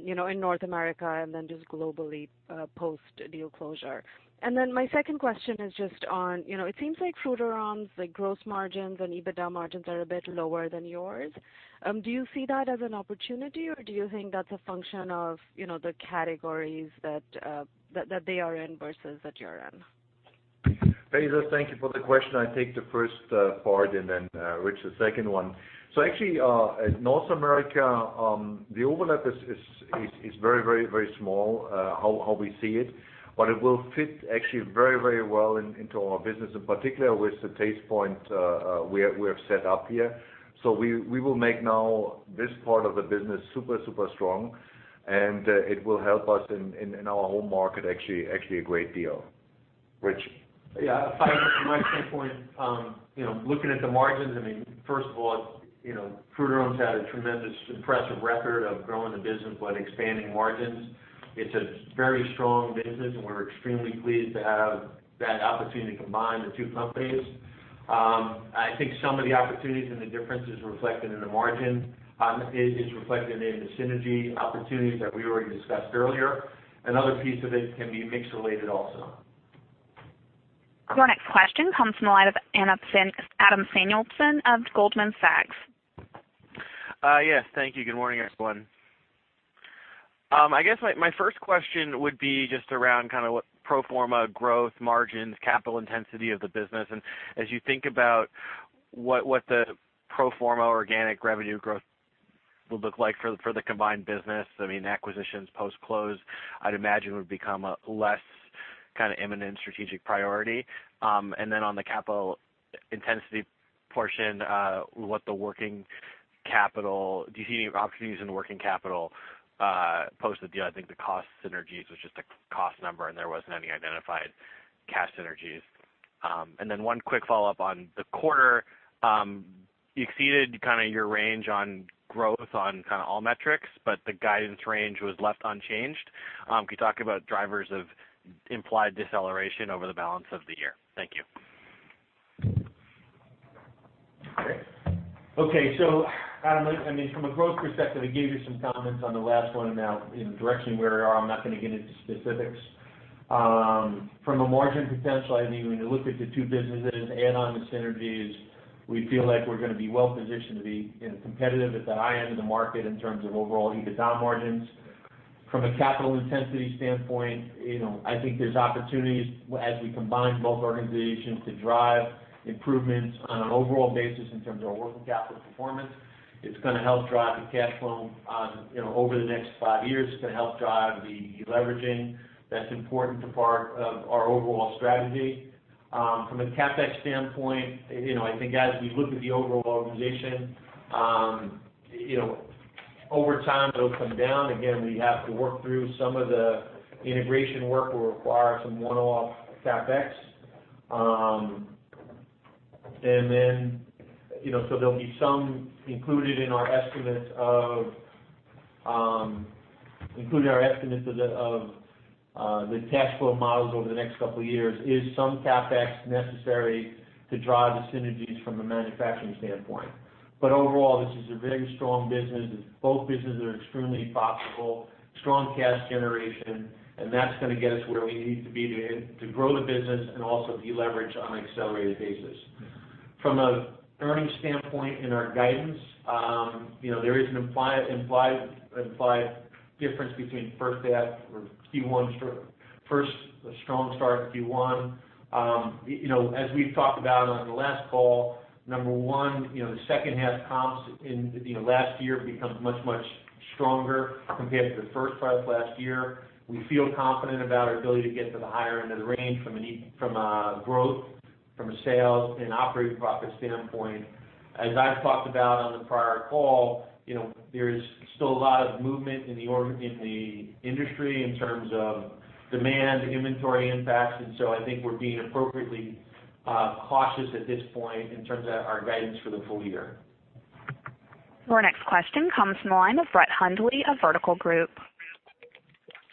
Speaker 9: in North America and then just globally, post-deal closure? My second question is just on, it seems like Frutarom's gross margins and EBITDA margins are a bit lower than yours. Do you see that as an opportunity, or do you think that's a function of the categories that they are in versus that you're in?
Speaker 3: Faiza, thank you for the question. I'll take the first part and then Rich, the second one. Actually, in North America, the overlap is very small, how we see it, but it will fit actually very well into our business, in particular with the Tastepoint we have set up here. We will make now this part of the business super strong, and it will help us in our home market actually a great deal. Rich.
Speaker 5: Yeah. From my standpoint, looking at the margins, I mean, first of all, Frutarom's had a tremendous impressive record of growing the business while expanding margins. It's a very strong business and we're extremely pleased to have that opportunity to combine the two companies. I think some of the opportunities and the differences reflected in the margin is reflected in the synergy opportunities that we already discussed earlier. Another piece of it can be mix-related also.
Speaker 1: Our next question comes from the line of Adam Samuelson of Goldman Sachs.
Speaker 10: Yes. Thank you. Good morning, everyone. I guess my first question would be just around kind of what pro forma growth margins, capital intensity of the business, and as you think about what the pro forma organic revenue growth would look like for the combined business. I mean, acquisitions post-close, I'd imagine, would become a less kind of imminent strategic priority. On the capital intensity portion, what the working capital, do you see any opportunities in the working capital post the deal? I think the cost synergies was just a cost number and there wasn't any identified cash synergies. One quick follow-up on the quarter. You exceeded kind of your range on growth on kind of all metrics, but the guidance range was left unchanged. Can you talk about drivers of implied deceleration over the balance of the year? Thank you.
Speaker 5: Okay. Adam, from a growth perspective, I gave you some comments on the last one, and now in direction where we are, I'm not going to get into specifics. From a margin potential, I think when you look at the two businesses, add on the synergies, we feel like we're going to be well-positioned to be competitive at the high end of the market in terms of overall EBITDA margins. From a capital intensity standpoint, I think there's opportunities as we combine both organizations to drive improvements on an overall basis in terms of our working capital performance. It's going to help drive the cash flow over the next five years. It's going to help drive the deleveraging that's important to our overall strategy. From a CapEx standpoint, I think as we look at the overall organization, over time, it'll come down. Again, we have to work through some of the integration work will require some one-off CapEx. There'll be some included in our estimates of the cash flow models over the next couple of years, is some CapEx necessary to drive the synergies from a manufacturing standpoint. Overall, this is a very strong business. Both businesses are extremely profitable, strong cash generation, and that's going to get us where we need to be to grow the business and also deleverage on an accelerated basis. From an earnings standpoint in our guidance, there is an implied difference between first half or Q1, first strong start of Q1. As we've talked about on the last call, number one, the second half comps in last year becomes much stronger compared to the first half last year. We feel confident about our ability to get to the higher end of the range from a growth, from a sales, and operating profit standpoint. As I've talked about on the prior call, there is still a lot of movement in the industry in terms of demand, inventory impacts, I think we're being appropriately cautious at this point in terms of our guidance for the full year.
Speaker 1: Your next question comes from the line of Brett Hundley of Vertical Group.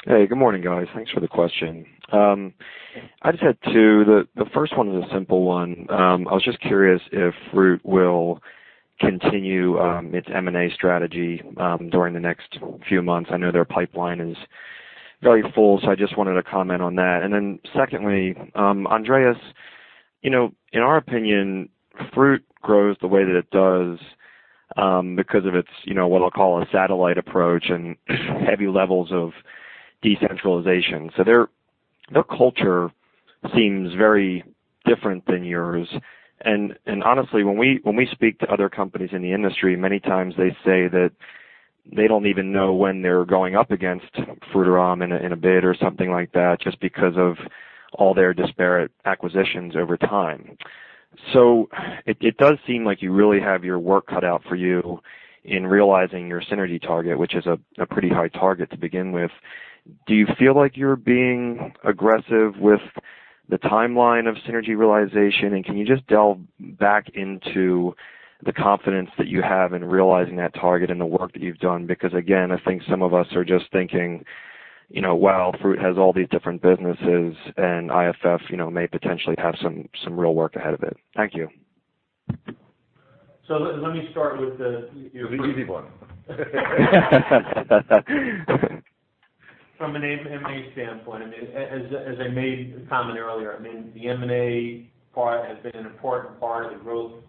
Speaker 11: Hey, good morning, guys. Thanks for the question. I just had two. The first one is a simple one. I was just curious if Frutarom will continue its M&A strategy during the next few months. I know their pipeline is very full. I just wanted a comment on that. Secondly, Andreas, in our opinion, Frutarom grows the way that it does because of its, what I'll call, a satellite approach and heavy levels of decentralization. Their culture seems very different than yours. Honestly, when we speak to other companies in the industry, many times they say that they don't even know when they're going up against Frutarom in a bid or something like that, just because of all their disparate acquisitions over time. It does seem like you really have your work cut out for you in realizing your synergy target, which is a pretty high target to begin with. Do you feel like you're being aggressive with the timeline of synergy realization, and can you just delve back into the confidence that you have in realizing that target and the work that you've done? Again, I think some of us are just thinking, "Wow, Frutarom has all these different businesses, and IFF may potentially have some real work ahead of it." Thank you.
Speaker 5: Let me start with the-
Speaker 3: The easy one.
Speaker 5: From an M&A standpoint, as I made the comment earlier, the M&A part has been an important part of the growth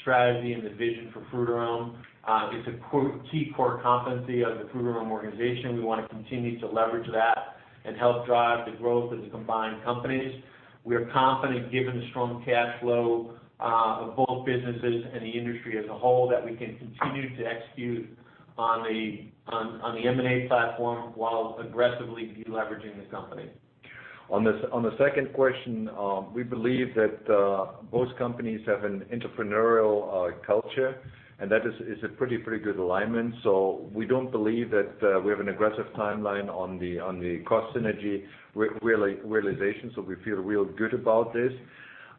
Speaker 5: strategy and the vision for Frutarom. It's a key core competency of the Frutarom organization. We want to continue to leverage that and help drive the growth of the combined companies. We are confident, given the strong cash flow of both businesses and the industry as a whole, that we can continue to execute on the M&A platform while aggressively de-leveraging the company.
Speaker 3: On the second question, we believe that both companies have an entrepreneurial culture, and that is a pretty good alignment. We don't believe that we have an aggressive timeline on the cost synergy realization, we feel real good about this.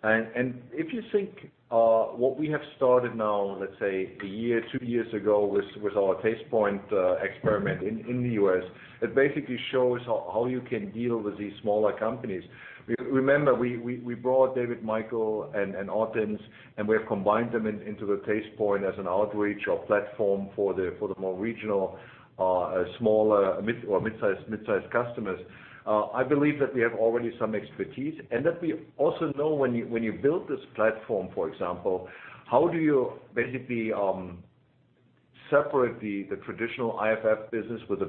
Speaker 3: If you think what we have started now, let's say a year, two years ago, with our Tastepoint experiment in the U.S., it basically shows how you can deal with these smaller companies. Remember, we brought David Michael and Ottens, and we have combined them into the Tastepoint as an outreach or platform for the more regional, smaller, mid- or mid-sized customers. I believe that we have already some expertise and that we also know when you build this platform, for example, how do you basically separate the traditional IFF business with the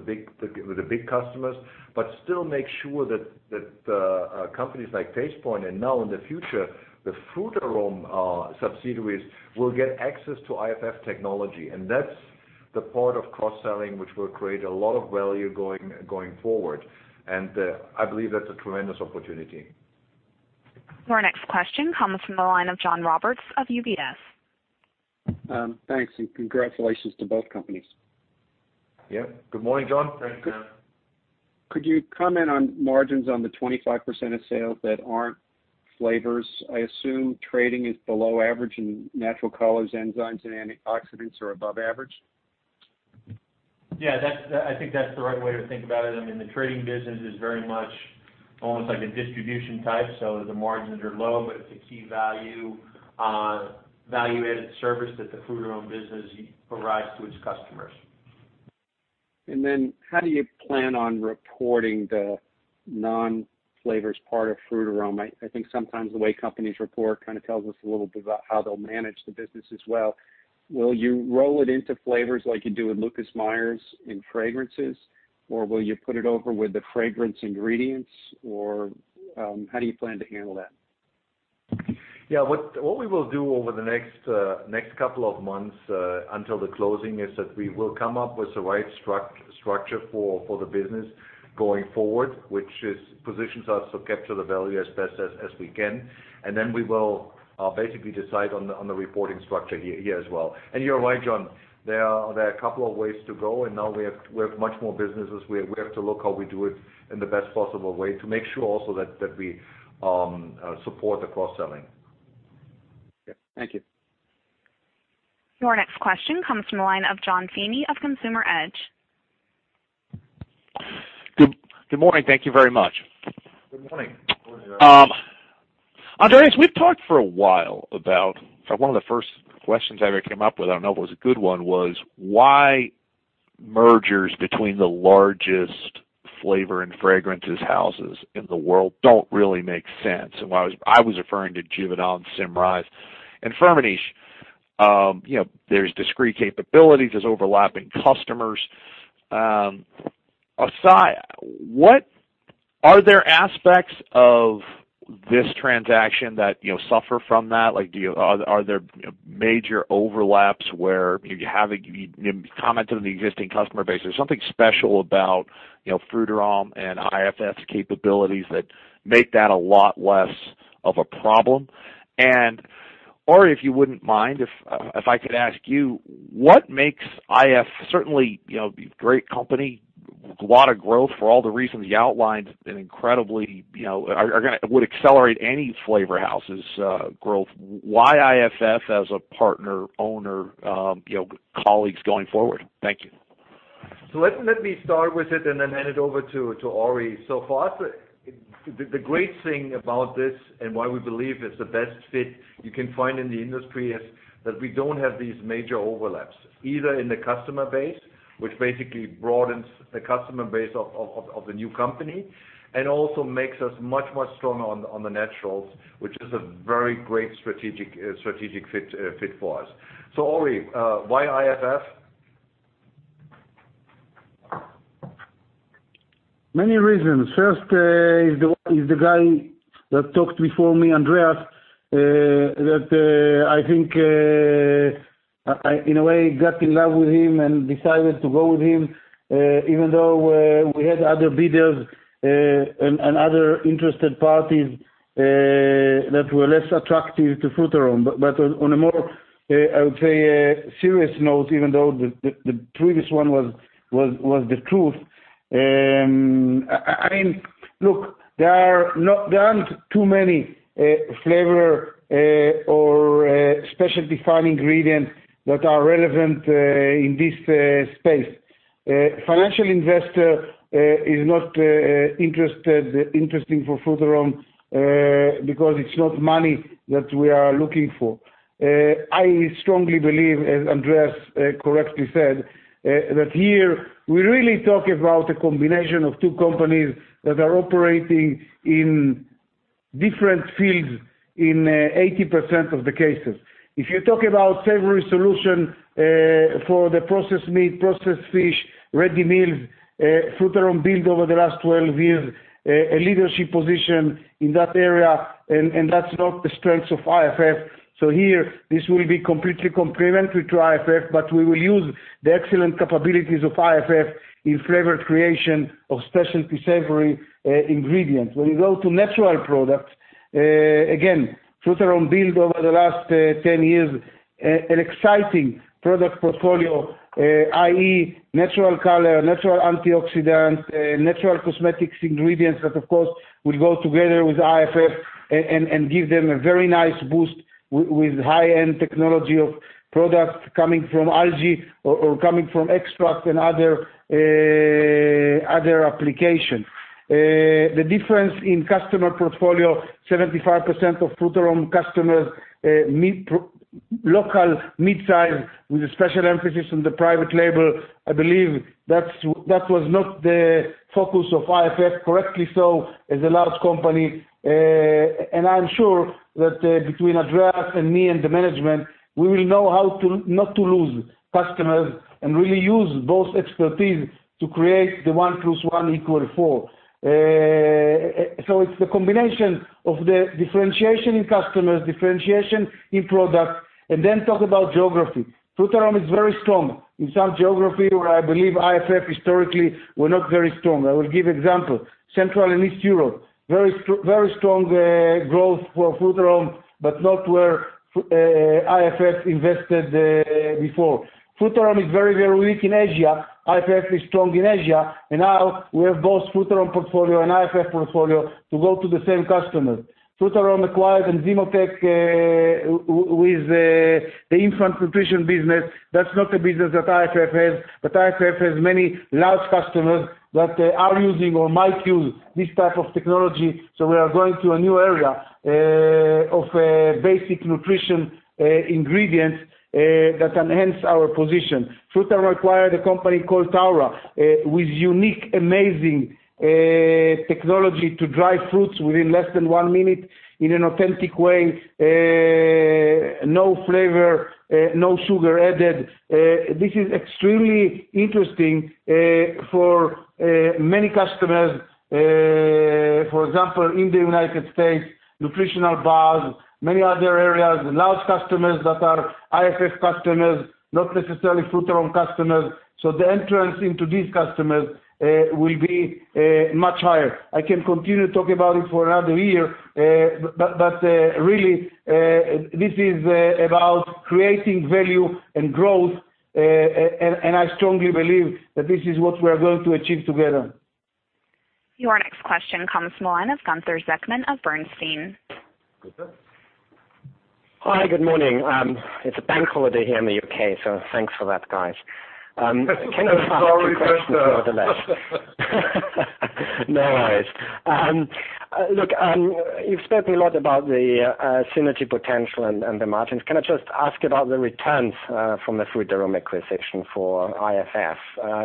Speaker 3: big customers, but still make sure that companies like Tastepoint and now in the future, the Frutarom subsidiaries will get access to IFF technology. That's the part of cross-selling, which will create a lot of value going forward. I believe that's a tremendous opportunity.
Speaker 1: Our next question comes from the line of John Roberts of UBS.
Speaker 12: Thanks. Congratulations to both companies.
Speaker 3: Yep. Good morning, John.
Speaker 5: Thanks, John.
Speaker 12: Could you comment on margins on the 25% of sales that aren't Flavors? I assume trading is below average and natural colors, enzymes, and antioxidants are above average.
Speaker 5: Yeah, I think that's the right way to think about it. The trading business is very much almost like a distribution type. The margins are low, but it's a key value-added service that the Frutarom business provides to its customers.
Speaker 12: How do you plan on reporting the non-Flavors part of Frutarom? I think sometimes the way companies report tells us a little bit about how they'll manage the business as well. Will you roll it into Flavors like you do with Lucas Meyer in Fragrances, or will you put it over with the Fragrance Ingredients, or how do you plan to handle that?
Speaker 3: Yeah. What we will do over the next couple of months until the closing is that we will come up with the right structure for the business going forward, which positions us to capture the value as best as we can. We will basically decide on the reporting structure here as well. You're right, John. There are a couple of ways to go, and now we have much more businesses. We have to look how we do it in the best possible way to make sure also that we support the cross-selling.
Speaker 12: Okay. Thank you.
Speaker 1: Your next question comes from the line of Jonathan Feeney of Consumer Edge.
Speaker 13: Good morning. Thank you very much.
Speaker 3: Good morning.
Speaker 5: Good morning, John.
Speaker 13: Andreas, we've talked for a while about, one of the first questions I ever came up with, I don't know if it was a good one, was mergers between the largest Flavors and Fragrances houses in the world don't really make sense. I was referring to Givaudan, Symrise, and Firmenich. There's discrete capabilities, there's overlapping customers. Andreas, are there aspects of this transaction that suffer from that? Are there major overlaps where you commented on the existing customer base? There's something special about Frutarom and IFF's capabilities that make that a lot less of a problem. Ori, if you wouldn't mind, if I could ask you, what makes IFF, certainly great company, lot of growth for all the reasons you outlined, would accelerate any Flavors house's growth. Why IFF as a partner, owner, colleagues going forward? Thank you.
Speaker 3: Let me start with it and then hand it over to Ori. For us, the great thing about this, and why we believe it's the best fit you can find in the industry, is that we don't have these major overlaps, either in the customer base, which basically broadens the customer base of the new company, and also makes us much, much stronger on the naturals, which is a very great strategic fit for us. Ori, why IFF?
Speaker 4: Many reasons. First, is the guy that talked before me, Andreas, that I think, in a way, got in love with him and decided to go with him, even though we had other bidders and other interested parties that were less attractive to Frutarom. On a more, I would say, serious note, even though the previous one was the truth. Look, there aren't too many flavor or specialty fine ingredients that are relevant in this space. Financial investor is not interesting for Frutarom, because it's not money that we are looking for. I strongly believe, as Andreas correctly said, that here we really talk about a combination of two companies that are operating in different fields in 80% of the cases. If you talk about savory solution for the processed meat, processed fish, ready meals, Frutarom built over the last 12 years, a leadership position in that area, and that's not the strengths of IFF. Here, this will be completely complementary to IFF, but we will use the excellent capabilities of IFF in flavor creation of specialty savory ingredients. When you go to natural products, again, Frutarom built over the last 10 years, an exciting product portfolio, i.e., natural color, natural antioxidants, natural cosmetics ingredients that of course will go together with IFF and give them a very nice boost with high-end technology of products coming from algae or coming from extracts and other application. The difference in customer portfolio, 75% of Frutarom customers, local, mid-size, with a special emphasis on the private label. I believe that was not the focus of IFF, correctly so, as a large company. I'm sure that between Andreas and me and the management, we will know how not to lose customers and really use both expertise to create the one plus one equal four. It's the combination of the differentiation in customers, differentiation in product, then talk about geography. Frutarom is very strong in some geography where I believe IFF historically were not very strong. I will give example. Central and East Europe, very strong growth for Frutarom, but not where IFF invested before. Frutarom is very weak in Asia. IFF is strong in Asia. Now we have both Frutarom portfolio and IFF portfolio to go to the same customers. Frutarom acquired Enzymotec with the infant nutrition business. That's not a business that IFF has, IFF has many large customers that are using or might use this type of technology, we are going to a new area of basic nutrition ingredients that enhance our position. Frutarom acquired a company called Taura, with unique, amazing technology to dry fruits within less than one minute in an authentic way. No flavor, no sugar added. This is extremely interesting for many customers. For example, in the U.S., nutritional bars, many other areas, large customers that are IFF customers, not necessarily Frutarom customers. The entrance into these customers will be much higher. I can continue talking about it for another year. Really, this is about creating value and growth, and I strongly believe that this is what we're going to achieve together.
Speaker 1: Your next question comes from the line of Gunther Zechmann of Bernstein.
Speaker 4: Gunther
Speaker 14: Hi, good morning. It's a bank holiday here in the U.K., thanks for that, guys.
Speaker 5: Sorry about that.
Speaker 14: No worries. Look, you've spoken a lot about the synergy potential and the margins. Can I just ask about the returns from the Frutarom acquisition for IFF?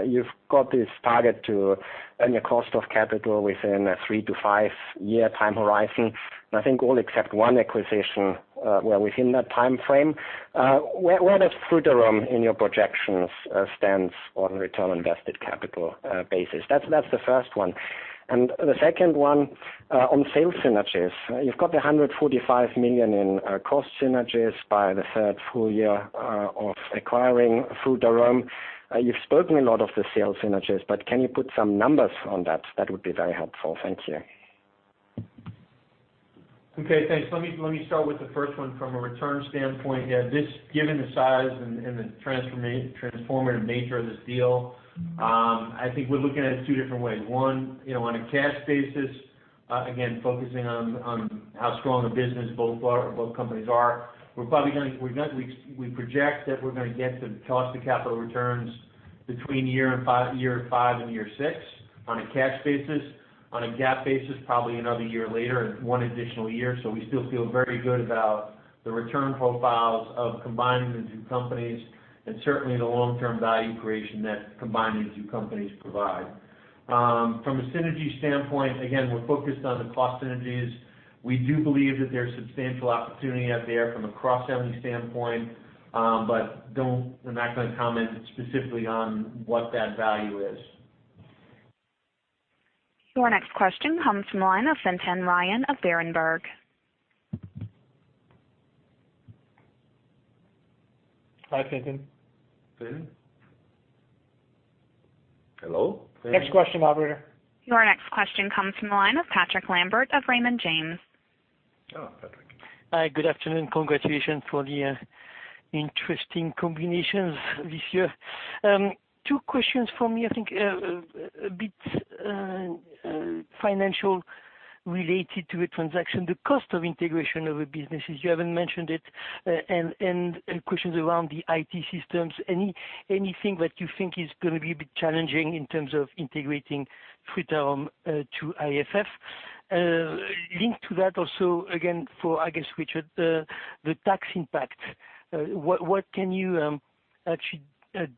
Speaker 14: You've got this target to earn your cost of capital within a three to five-year time horizon, and I think all except one acquisition were within that timeframe. Where does Frutarom, in your projections, stand on return on invested capital basis? That's the first one. The second one, on sales synergies. You've got the $145 million in cost synergies by the third full year of acquiring Frutarom. You've spoken a lot of the sales synergies, but can you put some numbers on that? That would be very helpful. Thank you.
Speaker 5: Okay, thanks. Let me start with the first one from a return standpoint. Yeah, given the size and the transformative nature of this deal, I think we're looking at it two different ways. One, on a cash basis, again, focusing on how strong the business both companies are. We project that we're going to get to cost of capital returns between year five and year six on a cash basis. On a GAAP basis, probably another year later, one additional year. We still feel very good about the return profiles of combining the two companies, and certainly the long-term value creation that combining the two companies provide. From a synergy standpoint, again, we're focused on the cost synergies. We do believe that there's substantial opportunity out there from a cross-selling standpoint, but I'm not going to comment specifically on what that value is.
Speaker 1: Your next question comes from the line of Fintan Ryan of Berenberg.
Speaker 5: Hi, Fintan.
Speaker 3: Fintan? Hello, Fintan? Next question, operator.
Speaker 1: Your next question comes from the line of Patrick Lambert of Raymond James.
Speaker 3: Oh, Patrick.
Speaker 15: Hi, good afternoon. Congratulations for the interesting combinations this year. Two questions from me. I think a bit financial related to the transaction, the cost of integration of the businesses, you haven't mentioned it. Questions around the IT systems. Anything that you think is going to be a bit challenging in terms of integrating Frutarom to IFF? Linked to that also, again, for, I guess, Richard, the tax impact. What can you actually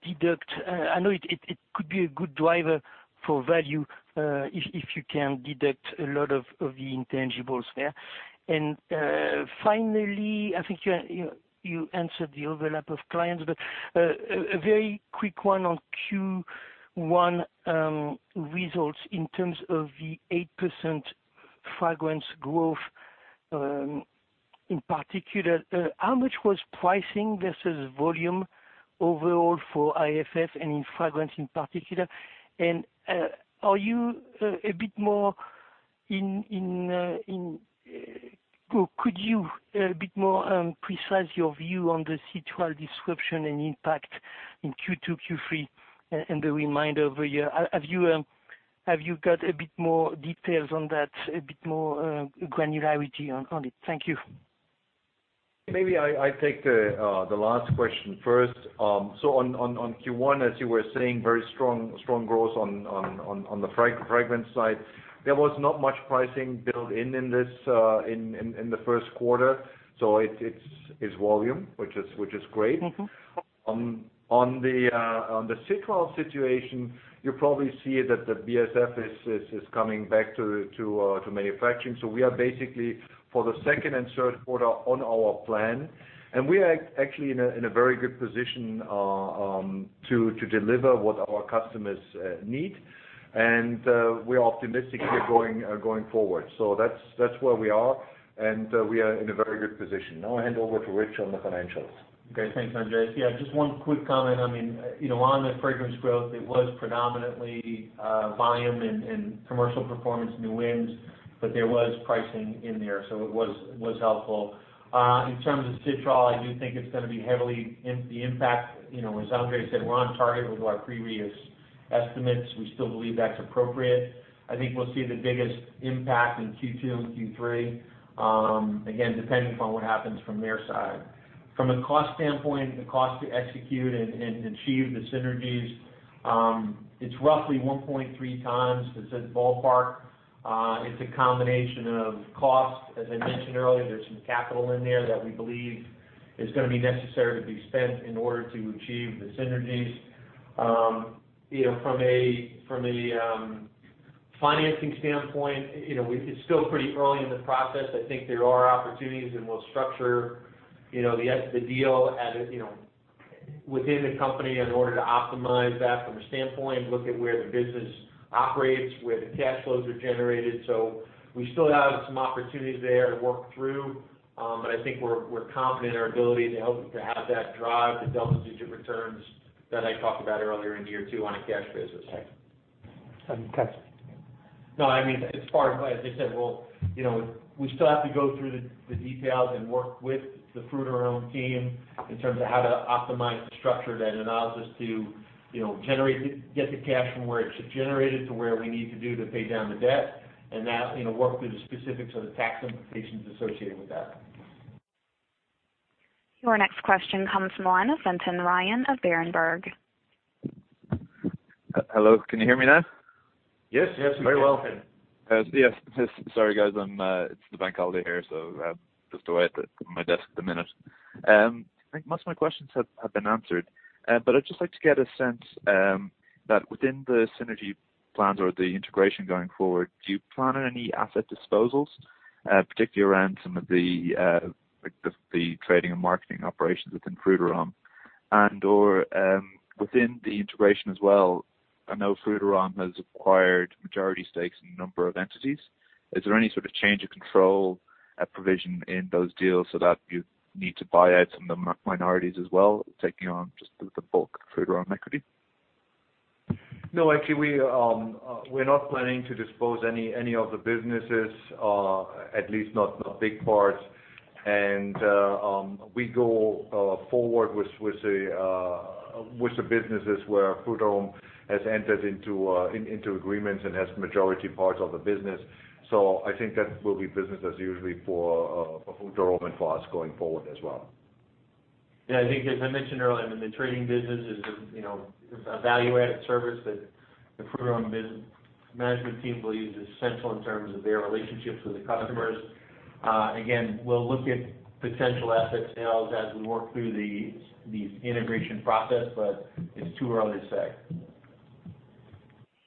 Speaker 15: deduct? I know it could be a good driver for value if you can deduct a lot of the intangibles there. Finally, I think you answered the overlap of clients, but a very quick one on Q1 results in terms of the 8% Fragrances growth. In particular, how much was pricing versus volume overall for IFF and in Fragrances in particular? Could you a bit more precise your view on the citral disruption and impact in Q2, Q3 and the remainder of the year? Have you got a bit more details on that, a bit more granularity on it? Thank you.
Speaker 3: Maybe I take the last question first. On Q1, as you were saying, very strong growth on the Fragrances side. There was not much pricing built in in the first quarter. It's volume, which is great. On the citral situation, you probably see that BASF is coming back to manufacturing. We are basically, for the second and third quarter, on our plan, and we are actually in a very good position to deliver what our customers need. We are optimistic here going forward. That's where we are, and we are in a very good position. Now I hand over to Rich on the financials.
Speaker 5: Okay, thanks, Andreas. Yeah, just one quick comment. On the Fragrance growth, it was predominantly volume and commercial performance, new wins, but there was pricing in there, so it was helpful. In terms of citral, I do think it's going to be heavily, the impact, as Andreas said, we're on target with our previous estimates. We still believe that's appropriate. I think we'll see the biggest impact in Q2 and Q3. Again, depending upon what happens from their side. From a cost standpoint, the cost to execute and achieve the synergies, it's roughly 1.3 times. It's a ballpark. It's a combination of cost. As I mentioned earlier, there's some capital in there that we believe is going to be necessary to be spent in order to achieve the synergies. From a financing standpoint, it's still pretty early in the process. I think there are opportunities, and we'll structure the deal within the company in order to optimize that from a standpoint. Look at where the business operates, where the cash flows are generated. We still have some opportunities there to work through. I think we're confident in our ability to have that drive, the double-digit returns that I talked about earlier in year two on a cash basis.
Speaker 15: Okay.
Speaker 5: No, as I said, we still have to go through the details and work with the Frutarom team in terms of how to optimize the structure that allows us to get the cash from where it's generated to where we need to do to pay down the debt, and work through the specifics of the tax implications associated with that.
Speaker 1: Your next question comes from the line of Fintan Ryan of Berenberg.
Speaker 16: Hello, can you hear me now?
Speaker 3: Yes. Very well.
Speaker 16: Yes. Sorry, guys, it's the bank holiday here, so just away at my desk at the minute. I think most of my questions have been answered. I'd just like to get a sense, that within the synergy plans or the integration going forward, do you plan on any asset disposals, particularly around some of the trading and marketing operations within Frutarom, and/or within the integration as well? I know Frutarom has acquired majority stakes in a number of entities. Is there any sort of change of control provision in those deals so that you need to buy out some of the minorities as well, taking on just the bulk Frutarom equity?
Speaker 3: No, actually, we're not planning to dispose any of the businesses, at least not big parts. We go forward with the businesses where Frutarom has entered into agreements and has majority parts of the business. I think that will be business as usual for Frutarom and for us going forward as well.
Speaker 5: Yeah, I think as I mentioned earlier, the trading business is a value-added service that the Frutarom management team believes is central in terms of their relationships with the customers. Again, we'll look at potential asset sales as we work through the integration process, but it's too early to say.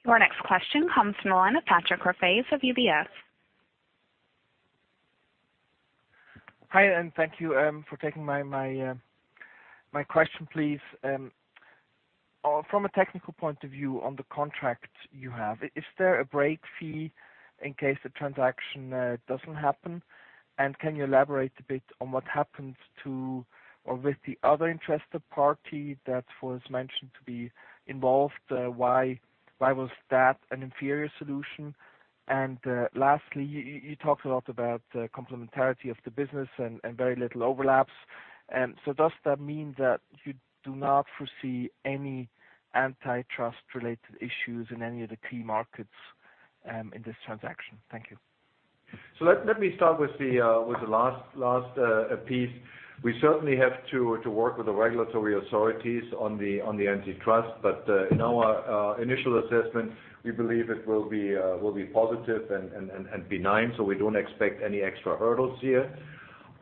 Speaker 1: Your next question comes from the line of Patrick Rafaisz of UBS.
Speaker 17: Hi, thank you for taking my question, please. From a technical point of view on the contract you have, is there a break fee in case the transaction doesn't happen? Can you elaborate a bit on what happens to or with the other interested party that was mentioned to be involved? Why was that an inferior solution? Lastly, you talked a lot about complementarity of the business and very little overlaps. Does that mean that you do not foresee any antitrust-related issues in any of the key markets in this transaction? Thank you.
Speaker 3: Let me start with the last piece. We certainly have to work with the regulatory authorities on the antitrust. In our initial assessment, we believe it will be positive and benign, we don't expect any extra hurdles here.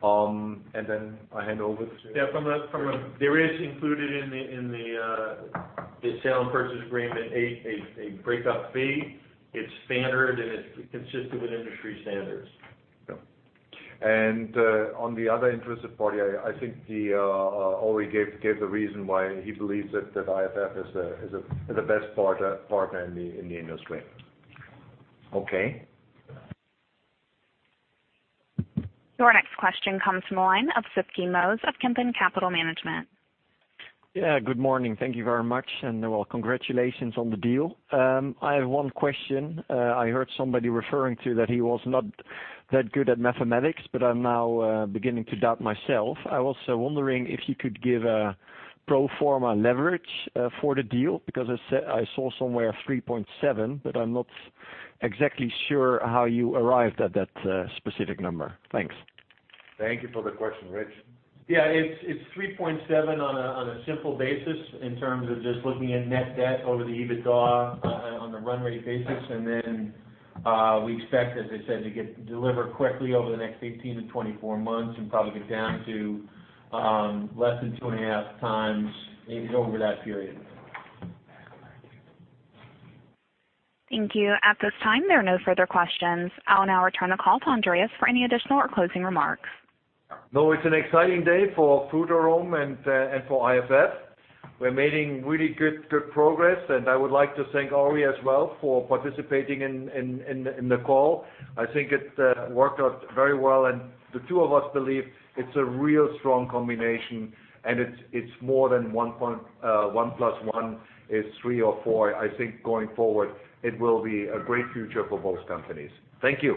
Speaker 3: I hand over to.
Speaker 5: There is included in the sale and purchase agreement a breakup fee. It's standard, and it's consistent with industry standards.
Speaker 3: On the other interested party, I think Ori gave the reason why he believes that IFF is the best partner in the industry. Okay.
Speaker 1: Your next question comes from the line of Siffney Moes of Kempen Capital Management.
Speaker 18: Yeah, good morning. Thank you very much, well, congratulations on the deal. I have one question. I heard somebody referring to that he was not that good at mathematics, I'm now beginning to doubt myself. I was wondering if you could give a pro forma leverage for the deal, because I saw somewhere 3.7, I'm not exactly sure how you arrived at that specific number. Thanks.
Speaker 3: Thank you for the question, Rich.
Speaker 5: Yeah, it's 3.7 on a simple basis in terms of just looking at net debt over the EBITDA on the run rate basis. Then we expect, as I said, to deliver quickly over the next 18-24 months and probably be down to less than 2.5 times over that period.
Speaker 1: Thank you. At this time, there are no further questions. I'll now return the call to Andreas for any additional or closing remarks.
Speaker 3: It's an exciting day for Frutarom and for IFF. We're making really good progress. I would like to thank Ori as well for participating in the call. I think it worked out very well. The two of us believe it's a real strong combination, and it's more than one plus one is three or four. I think going forward, it will be a great future for both companies. Thank you.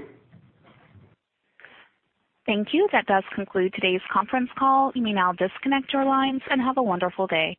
Speaker 1: Thank you. That does conclude today's conference call. You may now disconnect your lines and have a wonderful day.